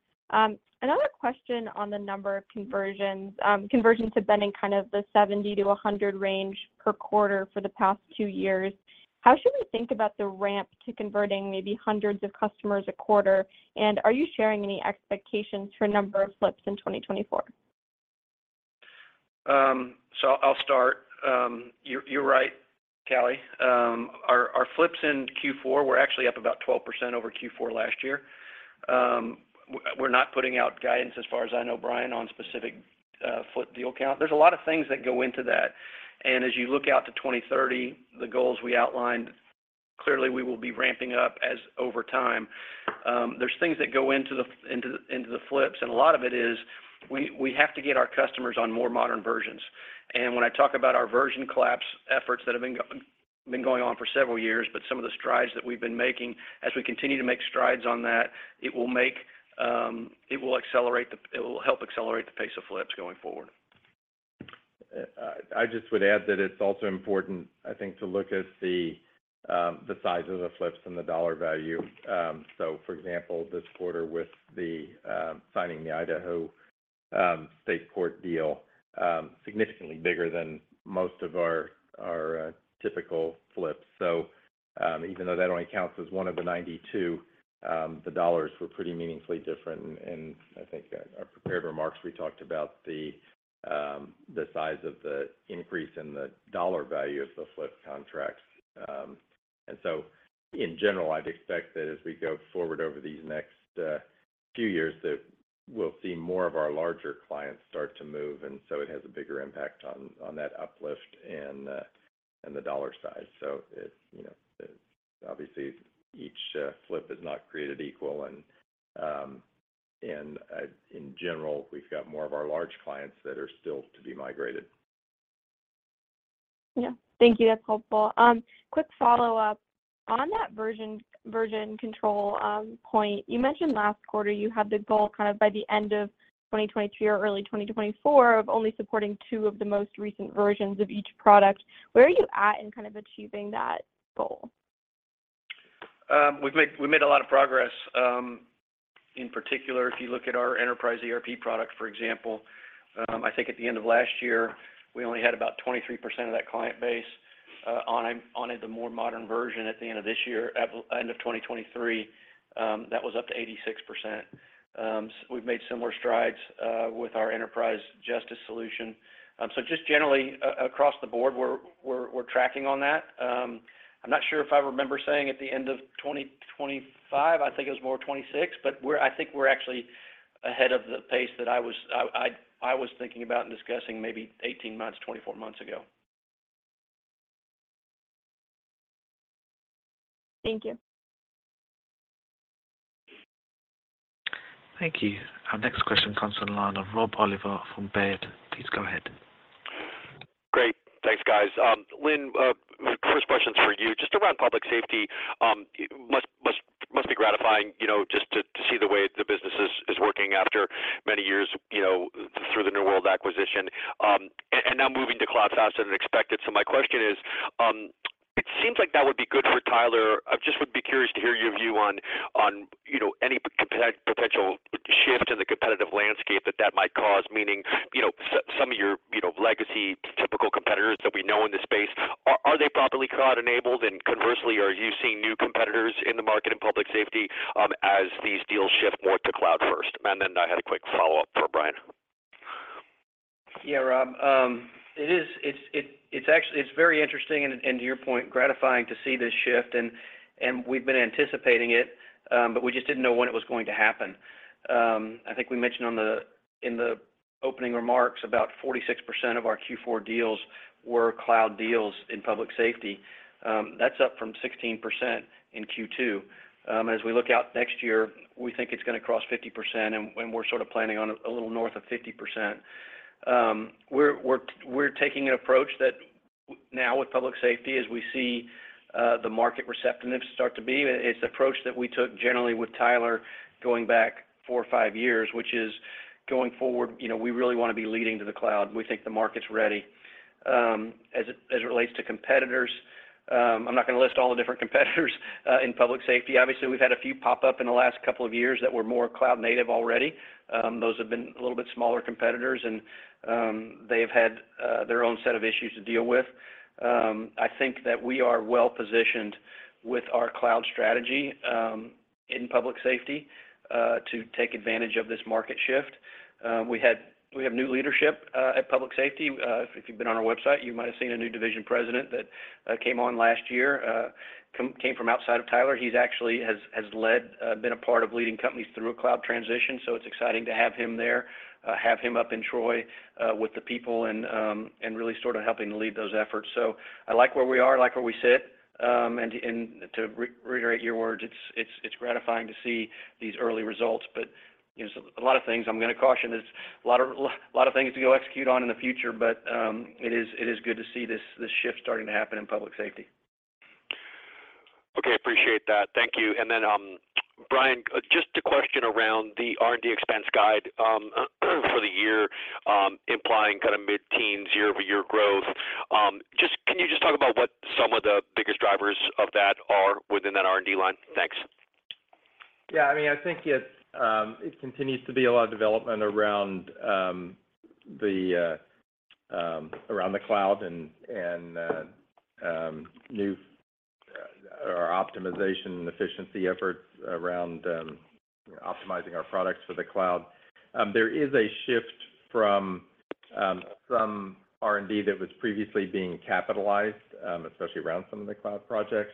Another question on the number of conversions. Conversions have been in kind of the 70-100 range per quarter for the past two years. How should we think about the ramp to converting maybe hundreds of customers a quarter? And are you sharing any expectations for a number of flips in 2024? So I'll start. You're right, Callie. Our flips in Q4, we're actually up about 12% over Q4 last year. We're not putting out guidance, as far as I know, Brian, on specific flip deal count. There's a lot of things that go into that. And as you look out to 2030, the goals we outlined, clearly, we will be ramping up over time. There's things that go into the flips, and a lot of it is we have to get our customers on more modern versions. And when I talk about our version collapse efforts that have been going on for several years, but some of the strides that we've been making, as we continue to make strides on that, it will accelerate the it will help accelerate the pace of flips going forward. I just would add that it's also important, I think, to look at the size of the flips and the dollar value. So for example, this quarter with signing the Idaho State Court deal, significantly bigger than most of our typical flips. So even though that only counts as one of the 92, the dollars were pretty meaningfully different. And I think our prepared remarks, we talked about the size of the increase in the dollar value of the flip contracts. And so in general, I'd expect that as we go forward over these next few years, that we'll see more of our larger clients start to move. And so it has a bigger impact on that uplift and the dollar size. So obviously, each flip is not created equal. And in general, we've got more of our large clients that are still to be migrated. Yeah. Thank you. That's helpful. Quick follow-up. On that version control point, you mentioned last quarter you had the goal kind of by the end of 2023 or early 2024 of only supporting two of the most recent versions of each product. Where are you at in kind of achieving that goal? We've made a lot of progress. In particular, if you look at our Enterprise ERP product, for example, I think at the end of last year, we only had about 23% of that client base on the more modern version. At the end of this year, end of 2023, that was up to 86%. We've made similar strides with our Enterprise Justice solution. So just generally, across the board, we're tracking on that. I'm not sure if I remember saying at the end of 2025, I think it was more 26%, but I think we're actually ahead of the pace that I was thinking about and discussing maybe 18 months, 24 months ago. Thank you. Thank you. Our next question comes on line of Rob Oliver from Baird. Please go ahead. Great. Thanks, guys. Lynn, first question's for you. Just around public safety, it must be gratifying just to see the way the business is working after many years through the New World acquisition and now moving to cloud-first and expect it. So my question is, it seems like that would be good for Tyler. I just would be curious to hear your view on any potential shift in the competitive landscape that that might cause, meaning some of your legacy typical competitors that we know in the space, are they properly cloud-enabled? And conversely, are you seeing new competitors in the market in public safety as these deals shift more to cloud-first? And then I had a quick follow-up for Brian. Yeah, Rob. It's very interesting and, to your point, gratifying to see this shift. We've been anticipating it, but we just didn't know when it was going to happen. I think we mentioned in the opening remarks about 46% of our Q4 deals were cloud deals in public safety. That's up from 16% in Q2. As we look out next year, we think it's going to cross 50%, and we're sort of planning on a little north of 50%. We're taking an approach that now with public safety, as we see the market receptiveness start to be, it's an approach that we took generally with Tyler going back four or five years, which is going forward, we really want to be leading to the cloud. We think the market's ready. As it relates to competitors, I'm not going to list all the different competitors in public safety. Obviously, we've had a few pop up in the last couple of years that were more cloud-native already. Those have been a little bit smaller competitors, and they've had their own set of issues to deal with. I think that we are well-positioned with our cloud strategy in public safety to take advantage of this market shift. We have new leadership at public safety. If you've been on our website, you might have seen a new division president that came on last year, came from outside of Tyler. He actually has led, been a part of leading companies through a cloud transition. So it's exciting to have him there, have him up in Troy with the people, and really sort of helping to lead those efforts. So I like where we are, I like where we sit. And to reiterate your words, it's gratifying to see these early results. A lot of things, I'm going to caution this, a lot of things to go execute on in the future, but it is good to see this shift starting to happen in public safety. Okay. Appreciate that. Thank you. And then, Brian, just a question around the R&D expense guide for the year, implying kind of mid-teens, year-over-year growth. Can you just talk about what some of the biggest drivers of that are within that R&D line? Thanks. Yeah. I mean, I think it continues to be a lot of development around the cloud and new optimization and efficiency efforts around optimizing our products for the cloud. There is a shift from some R&D that was previously being capitalized, especially around some of the cloud projects,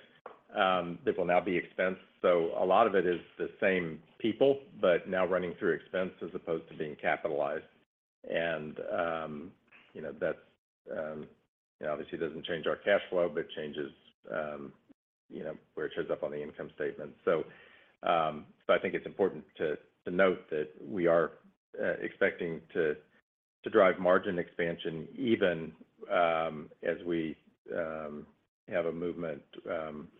that will now be expense. So a lot of it is the same people, but now running through expense as opposed to being capitalized. And that obviously doesn't change our cash flow, but changes where it shows up on the income statements. So I think it's important to note that we are expecting to drive margin expansion even as we have a movement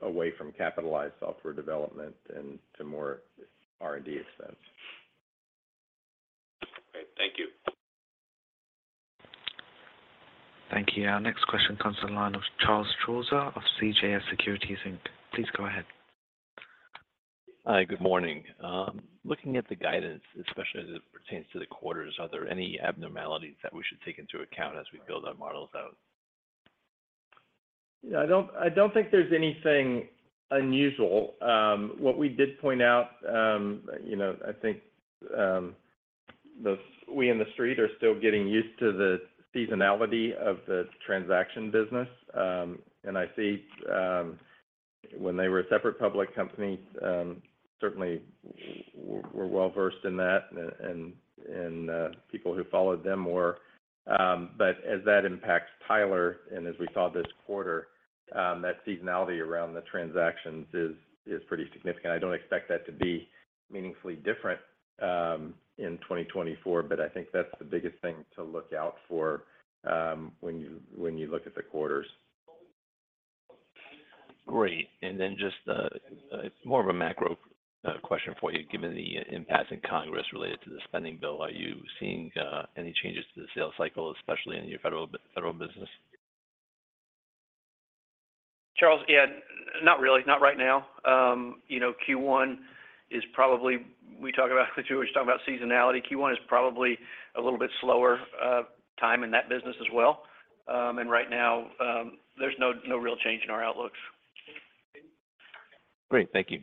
away from capitalized software development and to more R&D expense. Great. Thank you. Thank you. Our next question comes on line of Charles Strauzer of CJS Securities Inc. Please go ahead. Hi. Good morning. Looking at the guidance, especially as it pertains to the quarters, are there any abnormalities that we should take into account as we build our models out? Yeah. I don't think there's anything unusual. What we did point out, I think we in the street are still getting used to the seasonality of the transaction business. And I see when they were a separate public company, certainly we're well-versed in that, and people who followed them were. But as that impacts Tyler and as we saw this quarter, that seasonality around the transactions is pretty significant. I don't expect that to be meaningfully different in 2024, but I think that's the biggest thing to look out for when you look at the quarters. Great. And then just more of a macro question for you, given the impacts in Congress related to the spending bill, are you seeing any changes to the sales cycle, especially in your federal business? Charles, yeah, not really. Not right now. Q1 is probably we talk about it with you, we were just talking about seasonality. Q1 is probably a little bit slower time in that business as well. Right now, there's no real change in our outlooks. Great. Thank you.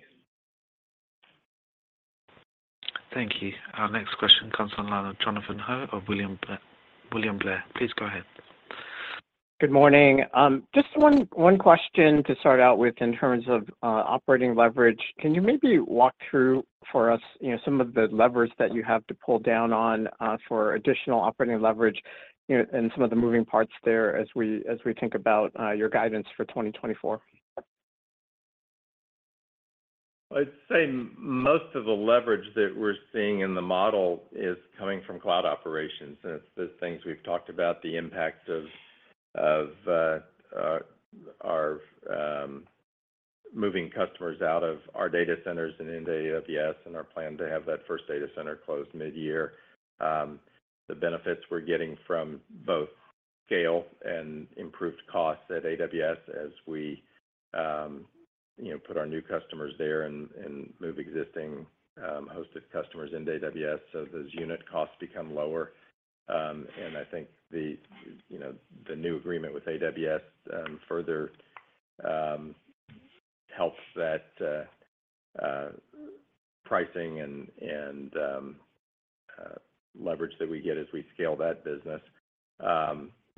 Thank you. Our next question comes on line of Jonathan Ho of William Blair. Please go ahead. Good morning. Just one question to start out with in terms of operating leverage. Can you maybe walk through for us some of the levers that you have to pull down on for additional operating leverage and some of the moving parts there as we think about your guidance for 2024? I'd say most of the leverage that we're seeing in the model is coming from cloud operations. It's the things we've talked about, the impacts of our moving customers out of our data centers and into AWS, and our plan to have that first data center closed mid-year. The benefits we're getting from both scale and improved costs at AWS as we put our new customers there and move existing hosted customers into AWS, so those unit costs become lower. I think the new agreement with AWS further helps that pricing and leverage that we get as we scale that business.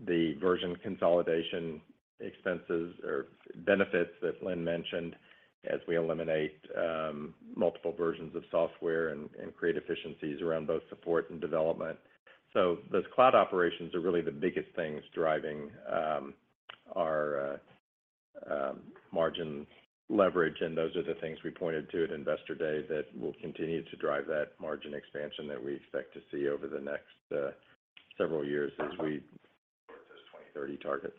The version consolidation expenses or benefits that Lynn mentioned as we eliminate multiple versions of software and create efficiencies around both support and development. Those cloud operations are really the biggest things driving our margin leverage. Those are the things we pointed to at Investor Day that will continue to drive that margin expansion that we expect to see over the next several years as we towards those 2030 targets.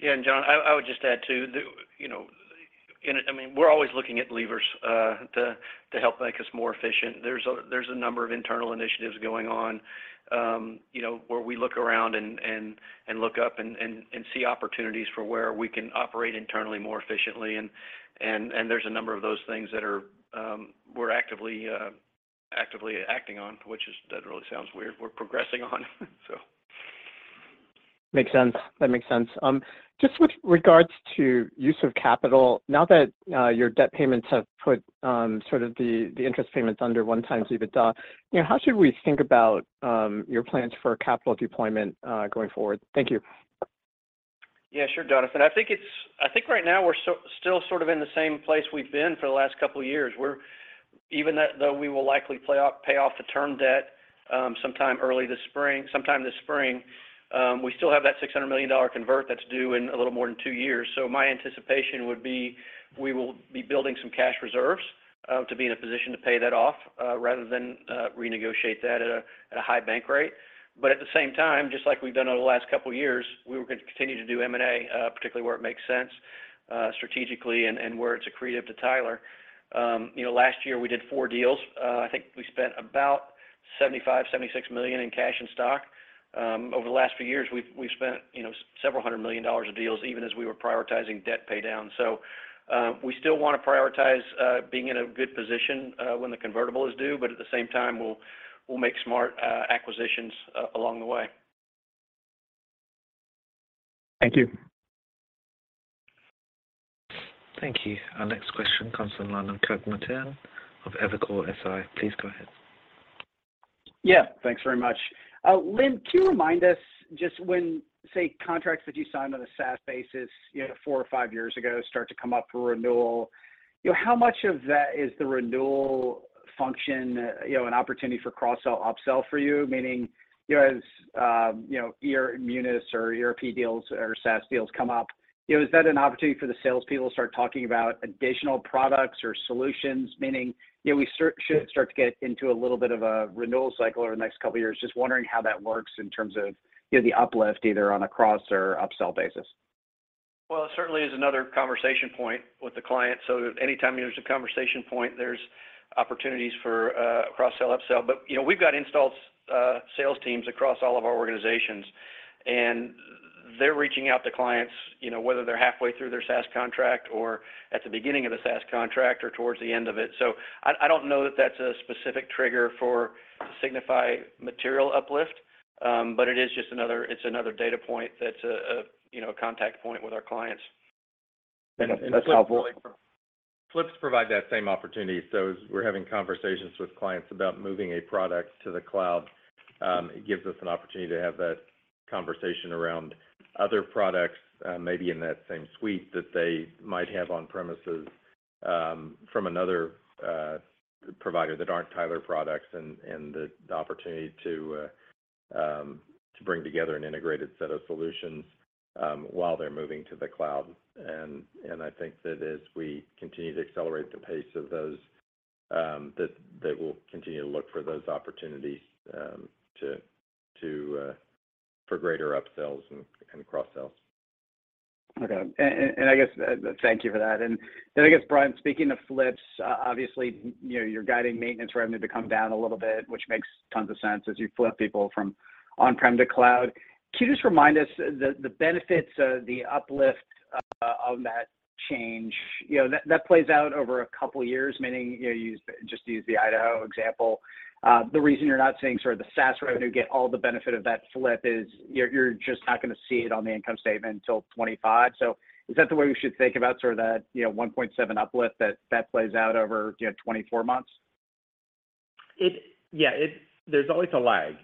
Yeah. And John, I would just add too, I mean, we're always looking at levers to help make us more efficient. There's a number of internal initiatives going on where we look around and look up and see opportunities for where we can operate internally more efficiently. And there's a number of those things that we're actively acting on, which really sounds weird. We're progressing on, so. Makes sense. That makes sense. Just with regards to use of capital, now that your debt payments have put sort of the interest payments under one-time dividend, how should we think about your plans for capital deployment going forward? Thank you. Yeah. Sure, Jonathan. I think right now we're still sort of in the same place we've been for the last couple of years. Even though we will likely pay off the term debt sometime this spring, we still have that $600 million convert that's due in a little more than two years. So my anticipation would be we will be building some cash reserves to be in a position to pay that off rather than renegotiate that at a high bank rate. But at the same time, just like we've done over the last couple of years, we were going to continue to do M&A, particularly where it makes sense strategically and where it's accretive to Tyler. Last year, we did four deals. I think we spent about $75-$76 million in cash and stock. Over the last few years, we've spent several hundred million dollars on deals even as we were prioritizing debt paydown. So we still want to prioritize being in a good position when the convertible is due, but at the same time, we'll make smart acquisitions along the way. Thank you. Thank you. Our next question comes from the line of Kirk Materne of Evercore ISI. Please go ahead. Yeah. Thanks very much. Lynn, can you remind us just when, say, contracts that you signed on a SaaS basis four or five years ago start to come up for renewal, how much of that is the renewal function an opportunity for cross-sell, upsell for you? Meaning, as ERP deals or SaaS deals come up, is that an opportunity for the salespeople to start talking about additional products or solutions? Meaning, we should start to get into a little bit of a renewal cycle over the next couple of years. Just wondering how that works in terms of the uplift either on a cross or upsell basis. Well, it certainly is another conversation point with the client. So anytime there's a conversation point, there's opportunities for cross-sell, upsell. But we've got installed sales teams across all of our organizations, and they're reaching out to clients, whether they're halfway through their SaaS contract or at the beginning of the SaaS contract or towards the end of it. So I don't know that that's a specific trigger to signify material uplift, but it is just another data point that's a contact point with our clients. That's helpful. Flips provides that same opportunity. As we're having conversations with clients about moving a product to the cloud, it gives us an opportunity to have that conversation around other products, maybe in that same suite that they might have on-premises from another provider that aren't Tyler products, and the opportunity to bring together an integrated set of solutions while they're moving to the cloud. I think that as we continue to accelerate the pace of those, that we'll continue to look for those opportunities for greater upsells and cross-sells. Okay. I guess thank you for that. Then I guess, Brian, speaking of flips, obviously, you're guiding maintenance revenue to come down a little bit, which makes tons of sense as you flip people from on-prem to cloud. Can you just remind us the benefits, the uplift of that change? That plays out over a couple of years, meaning you just used the Idaho example. The reason you're not seeing sort of the SaaS revenue get all the benefit of that flip is you're just not going to see it on the income statement until 2025. So is that the way we should think about sort of that 1.7 uplift that plays out over 24 months? Yeah. There's always a lag.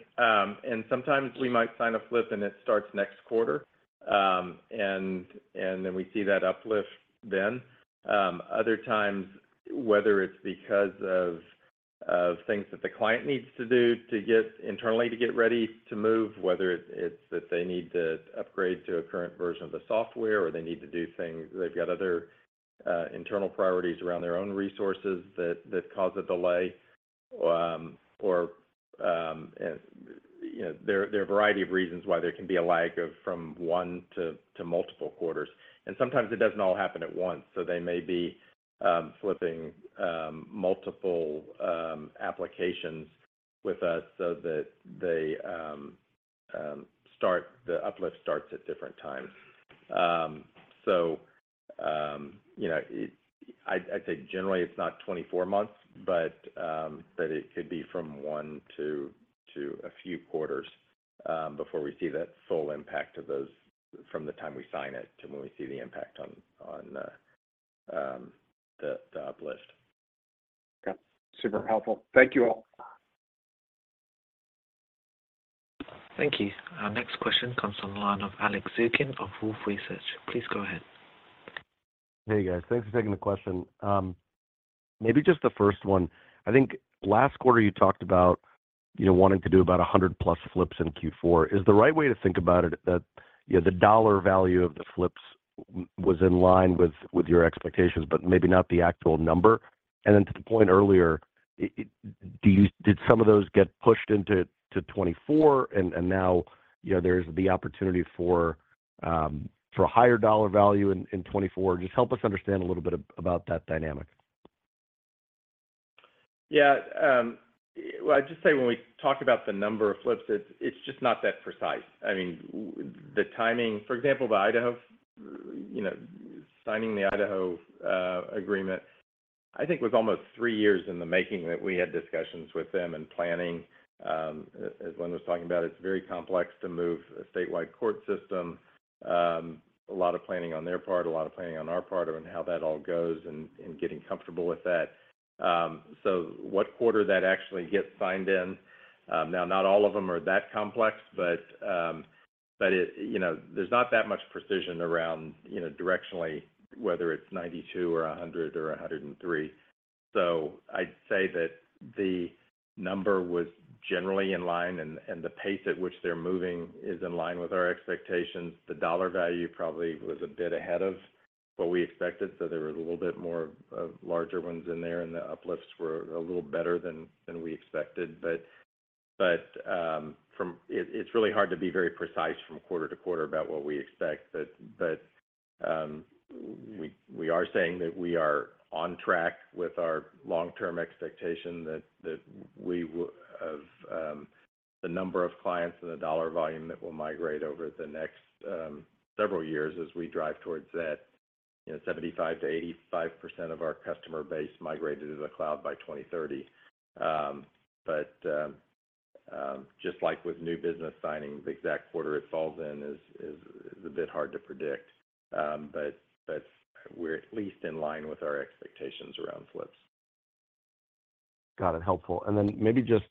Sometimes we might sign a flip, and it starts next quarter, and then we see that uplift then. Other times, whether it's because of things that the client needs to do internally to get ready to move, whether it's that they need to upgrade to a current version of the software or they need to do things they've got other internal priorities around their own resources that cause a delay, or there are a variety of reasons why there can be a lag from one to multiple quarters. Sometimes it doesn't all happen at once. They may be flipping multiple applications with us so that the uplift starts at different times. I'd say generally, it's not 24 months, but it could be from one to a few quarters before we see that full impact from the time we sign it to when we see the impact on the uplift. Okay. Super helpful. Thank you all. Thank you. Our next question comes on line of Alex Zukin of Wolfe Research. Please go ahead. Hey, guys. Thanks for taking the question. Maybe just the first one. I think last quarter, you talked about wanting to do about 100+ flips in Q4. Is the right way to think about it, that the dollar value of the flips was in line with your expectations, but maybe not the actual number? And then to the point earlier, did some of those get pushed into 2024, and now there's the opportunity for a higher dollar value in 2024? Just help us understand a little bit about that dynamic. Yeah. Well, I'd just say when we talk about the number of flips, it's just not that precise. I mean, the timing, for example, with Idaho, signing the Idaho agreement, I think was almost three years in the making that we had discussions with them and planning. As Lynn was talking about, it's very complex to move a statewide court system. A lot of planning on their part, a lot of planning on our part, and how that all goes and getting comfortable with that. So what quarter that actually gets signed in? Now, not all of them are that complex, but there's not that much precision around directionally, whether it's 92 or 100 or 103. So I'd say that the number was generally in line, and the pace at which they're moving is in line with our expectations. The dollar value probably was a bit ahead of what we expected, so there were a little bit more larger ones in there, and the uplifts were a little better than we expected. But it's really hard to be very precise from quarter to quarter about what we expect. But we are saying that we are on track with our long-term expectation that the number of clients and the dollar volume that will migrate over the next several years as we drive towards that, 75%-85% of our customer base migrated to the cloud by 2030. But just like with new business signing, the exact quarter it falls in is a bit hard to predict. But we're at least in line with our expectations around flips. Got it. Helpful. And then maybe just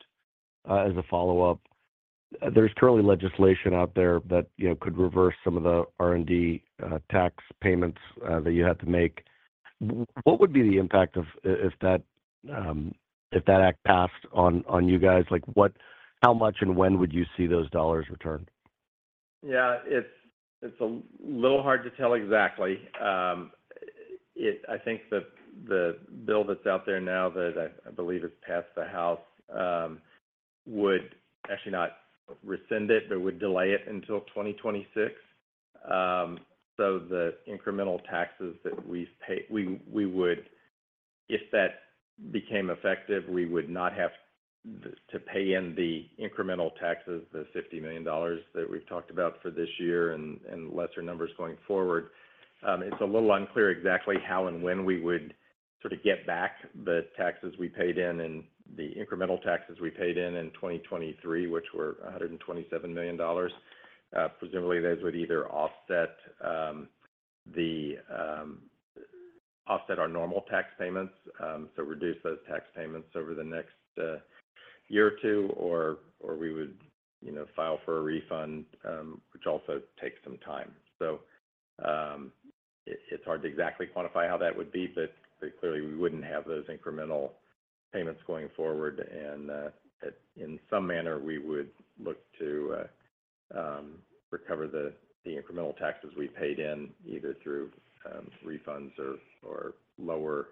as a follow-up, there's currently legislation out there that could reverse some of the R&D tax payments that you have to make. What would be the impact if that act passed on you guys? How much and when would you see those dollars returned? Yeah. It's a little hard to tell exactly. I think the bill that's out there now that I believe has passed the House would actually not rescind it, but would delay it until 2026. So the incremental taxes that we would, if that became effective, we would not have to pay in the incremental taxes, the $50 million that we've talked about for this year and lesser numbers going forward. It's a little unclear exactly how and when we would sort of get back the taxes we paid in and the incremental taxes we paid in in 2023, which were $127 million. Presumably, those would either offset our normal tax payments, so reduce those tax payments over the next year or two, or we would file for a refund, which also takes some time. It's hard to exactly quantify how that would be, but clearly, we wouldn't have those incremental payments going forward. In some manner, we would look to recover the incremental taxes we paid in either through refunds or lower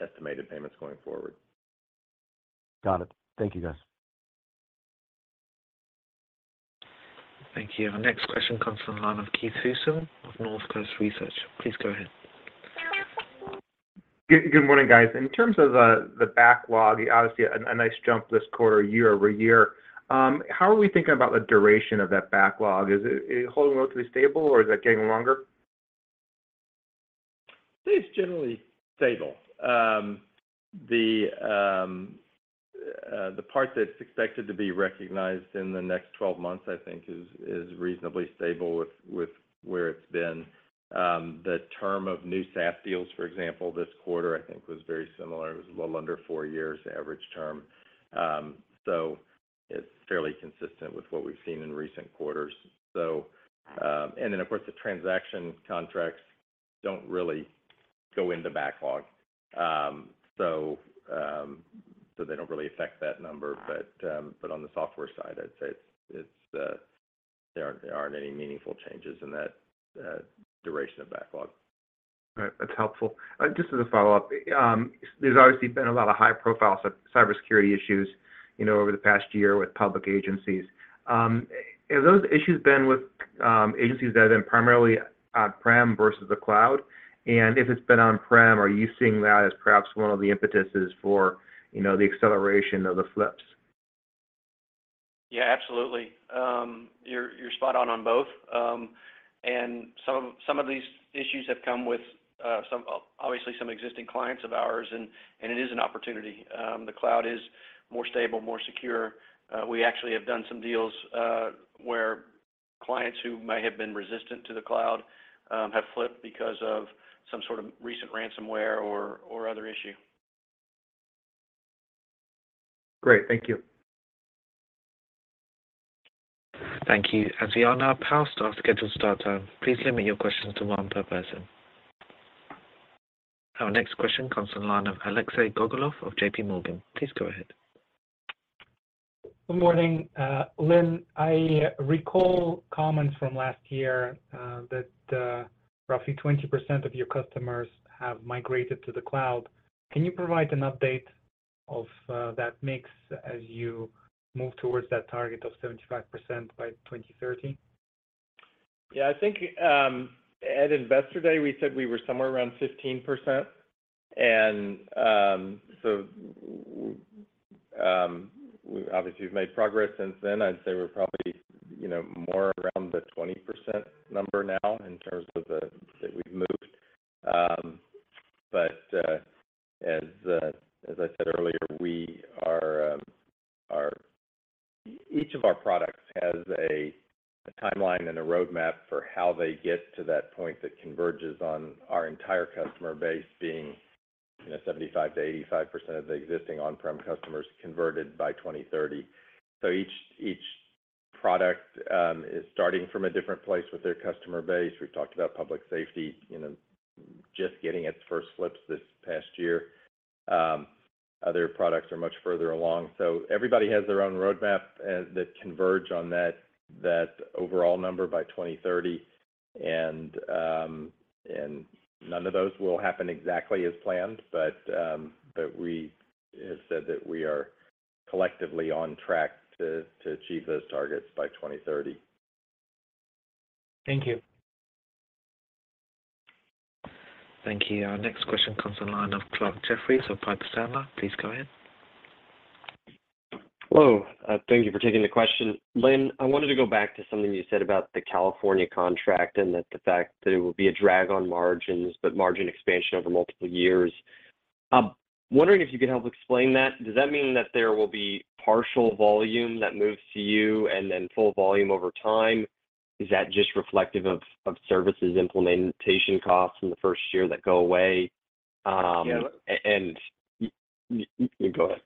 estimated payments going forward. Got it. Thank you, guys. Thank you. Our next question comes from the line of Keith Housum of Northcoast Research. Please go ahead. Good morning, guys. In terms of the backlog, obviously, a nice jump this quarter year-over-year. How are we thinking about the duration of that backlog? Is it holding relatively stable, or is that getting longer? It's generally stable. The part that's expected to be recognized in the next 12 months, I think, is reasonably stable with where it's been. The term of new SaaS deals, for example, this quarter, I think, was very similar. It was a little under four years average term. So it's fairly consistent with what we've seen in recent quarters. And then, of course, the transaction contracts don't really go into backlog, so they don't really affect that number. But on the software side, I'd say there aren't any meaningful changes in that duration of backlog. That's helpful. Just as a follow-up, there's obviously been a lot of high-profile cybersecurity issues over the past year with public agencies. Have those issues been with agencies that have been primarily on-prem versus the cloud? And if it's been on-prem, are you seeing that as perhaps one of the impetuses for the acceleration of the flips? Yeah. Absolutely. You're spot on on both. And some of these issues have come with, obviously, some existing clients of ours, and it is an opportunity. The cloud is more stable, more secure. We actually have done some deals where clients who may have been resistant to the cloud have flipped because of some sort of recent ransomware or other issue. Great. Thank you. Thank you, As we are now past our scheduled start time. Please limit your questions to one per person. Our next question comes on the line of Alexei Gogolev of JPMorgan. Please go ahead. Good morning. Lynn, I recall comments from last year that roughly 20% of your customers have migrated to the cloud. Can you provide an update of that mix as you move towards that target of 75% by 2030? Yeah. I think at Investor Day, we said we were somewhere around 15%. And so obviously, we've made progress since then. I'd say we're probably more around the 20% number now in terms of that we've moved. But as I said earlier, each of our products has a timeline and a roadmap for how they get to that point that converges on our entire customer base being 75%-85% of the existing on-prem customers converted by 2030. So each product is starting from a different place with their customer base. We've talked about public safety just getting its first flips this past year. Other products are much further along. So everybody has their own roadmap that converge on that overall number by 2030. And none of those will happen exactly as planned, but we have said that we are collectively on track to achieve those targets by 2030. Thank you. Thank you. Our next question comes on the line of Clarke Jeffries of Piper Sandler. Please go ahead. Hello. Thank you for taking the question. Lynn, I wanted to go back to something you said about the California contract and the fact that it will be a drag on margins, but margin expansion over multiple years. I'm wondering if you could help explain that. Does that mean that there will be partial volume that moves to you and then full volume over time? Is that just reflective of services implementation costs in the first year that go away? And go ahead.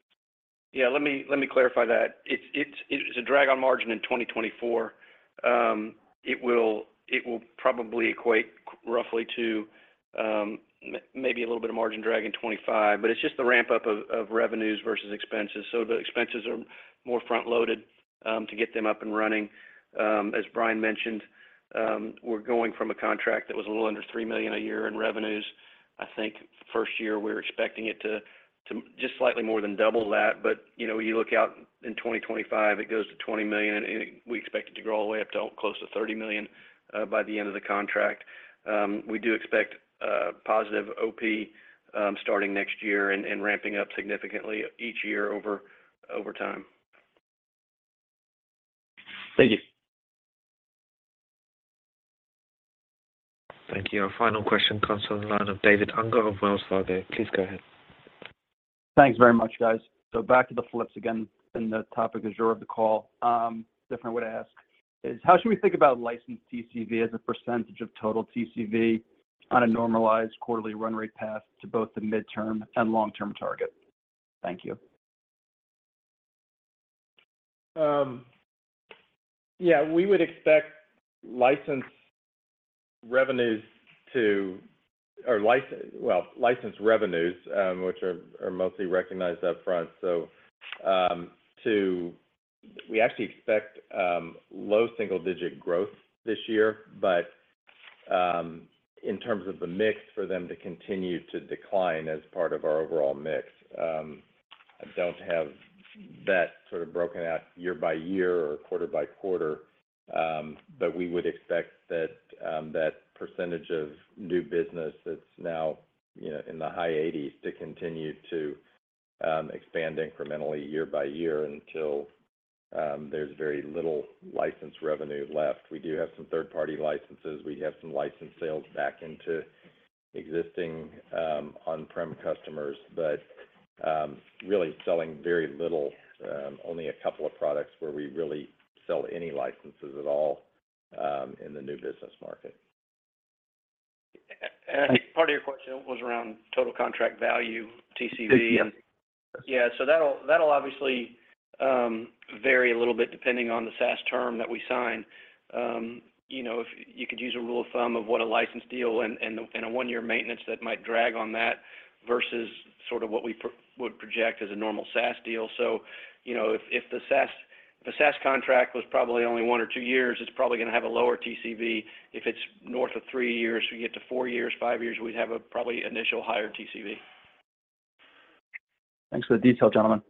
Yeah. Let me clarify that. It's a drag on margin in 2024. It will probably equate roughly to maybe a little bit of margin drag in 2025, but it's just the ramp-up of revenues versus expenses. So the expenses are more front-loaded to get them up and running. As Brian mentioned, we're going from a contract that was a little under $3 million a year in revenues. I think first year, we're expecting it to just slightly more than double that. But you look out in 2025, it goes to $20 million, and we expect it to grow all the way up to close to $30 million by the end of the contract. We do expect positive OP starting next year and ramping up significantly each year over time. Thank you. Thank you. Our final question comes on the line of David Unger of Wells Fargo. Please go ahead. Thanks very much, guys. So back to the flips again, and the topic is your favorite of the call. Different way to ask is, how should we think about licensed TCV as a percentage of total TCV on a normalized quarterly run rate path to both the midterm and long-term target? Thank you. Yeah. We would expect licensed revenues, which are mostly recognized upfront. So we actually expect low single-digit growth this year, but in terms of the mix for them to continue to decline as part of our overall mix. I don't have that sort of broken out year by year or quarter by quarter, but we would expect that percentage of new business that's now in the high 80s% to continue to expand incrementally year by year until there's very little licensed revenue left. We do have some third-party licenses. We have some license sales back into existing on-prem customers, but really selling very little, only a couple of products where we really sell any licenses at all in the new business market. I think part of your question was around total contract value, TCV. Yeah. That'll obviously vary a little bit depending on the SaaS term that we sign. If you could use a rule of thumb of what a licensed deal and a one-year maintenance that might drag on that versus sort of what we would project as a normal SaaS deal. If a SaaS contract was probably only one or two years, it's probably going to have a lower TCV. If it's north of three years, we get to four years, five years, we'd have probably initial higher TCV. Thanks for the detail, gentlemen.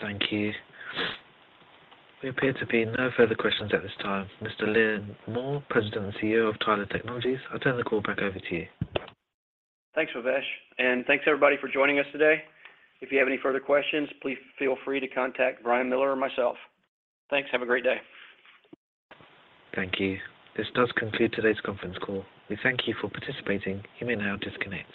Thank you. There appear to be no further questions at this time. Mr. Lynn Moore, President and CEO of Tyler Technologies, I turn the call back over to you. Thanks, Bavesh. And thanks, everybody, for joining us today. If you have any further questions, please feel free to contact Brian Miller or myself. Thanks. Have a great day. Thank you. This does conclude today's conference call. We thank you for participating. You may now disconnect.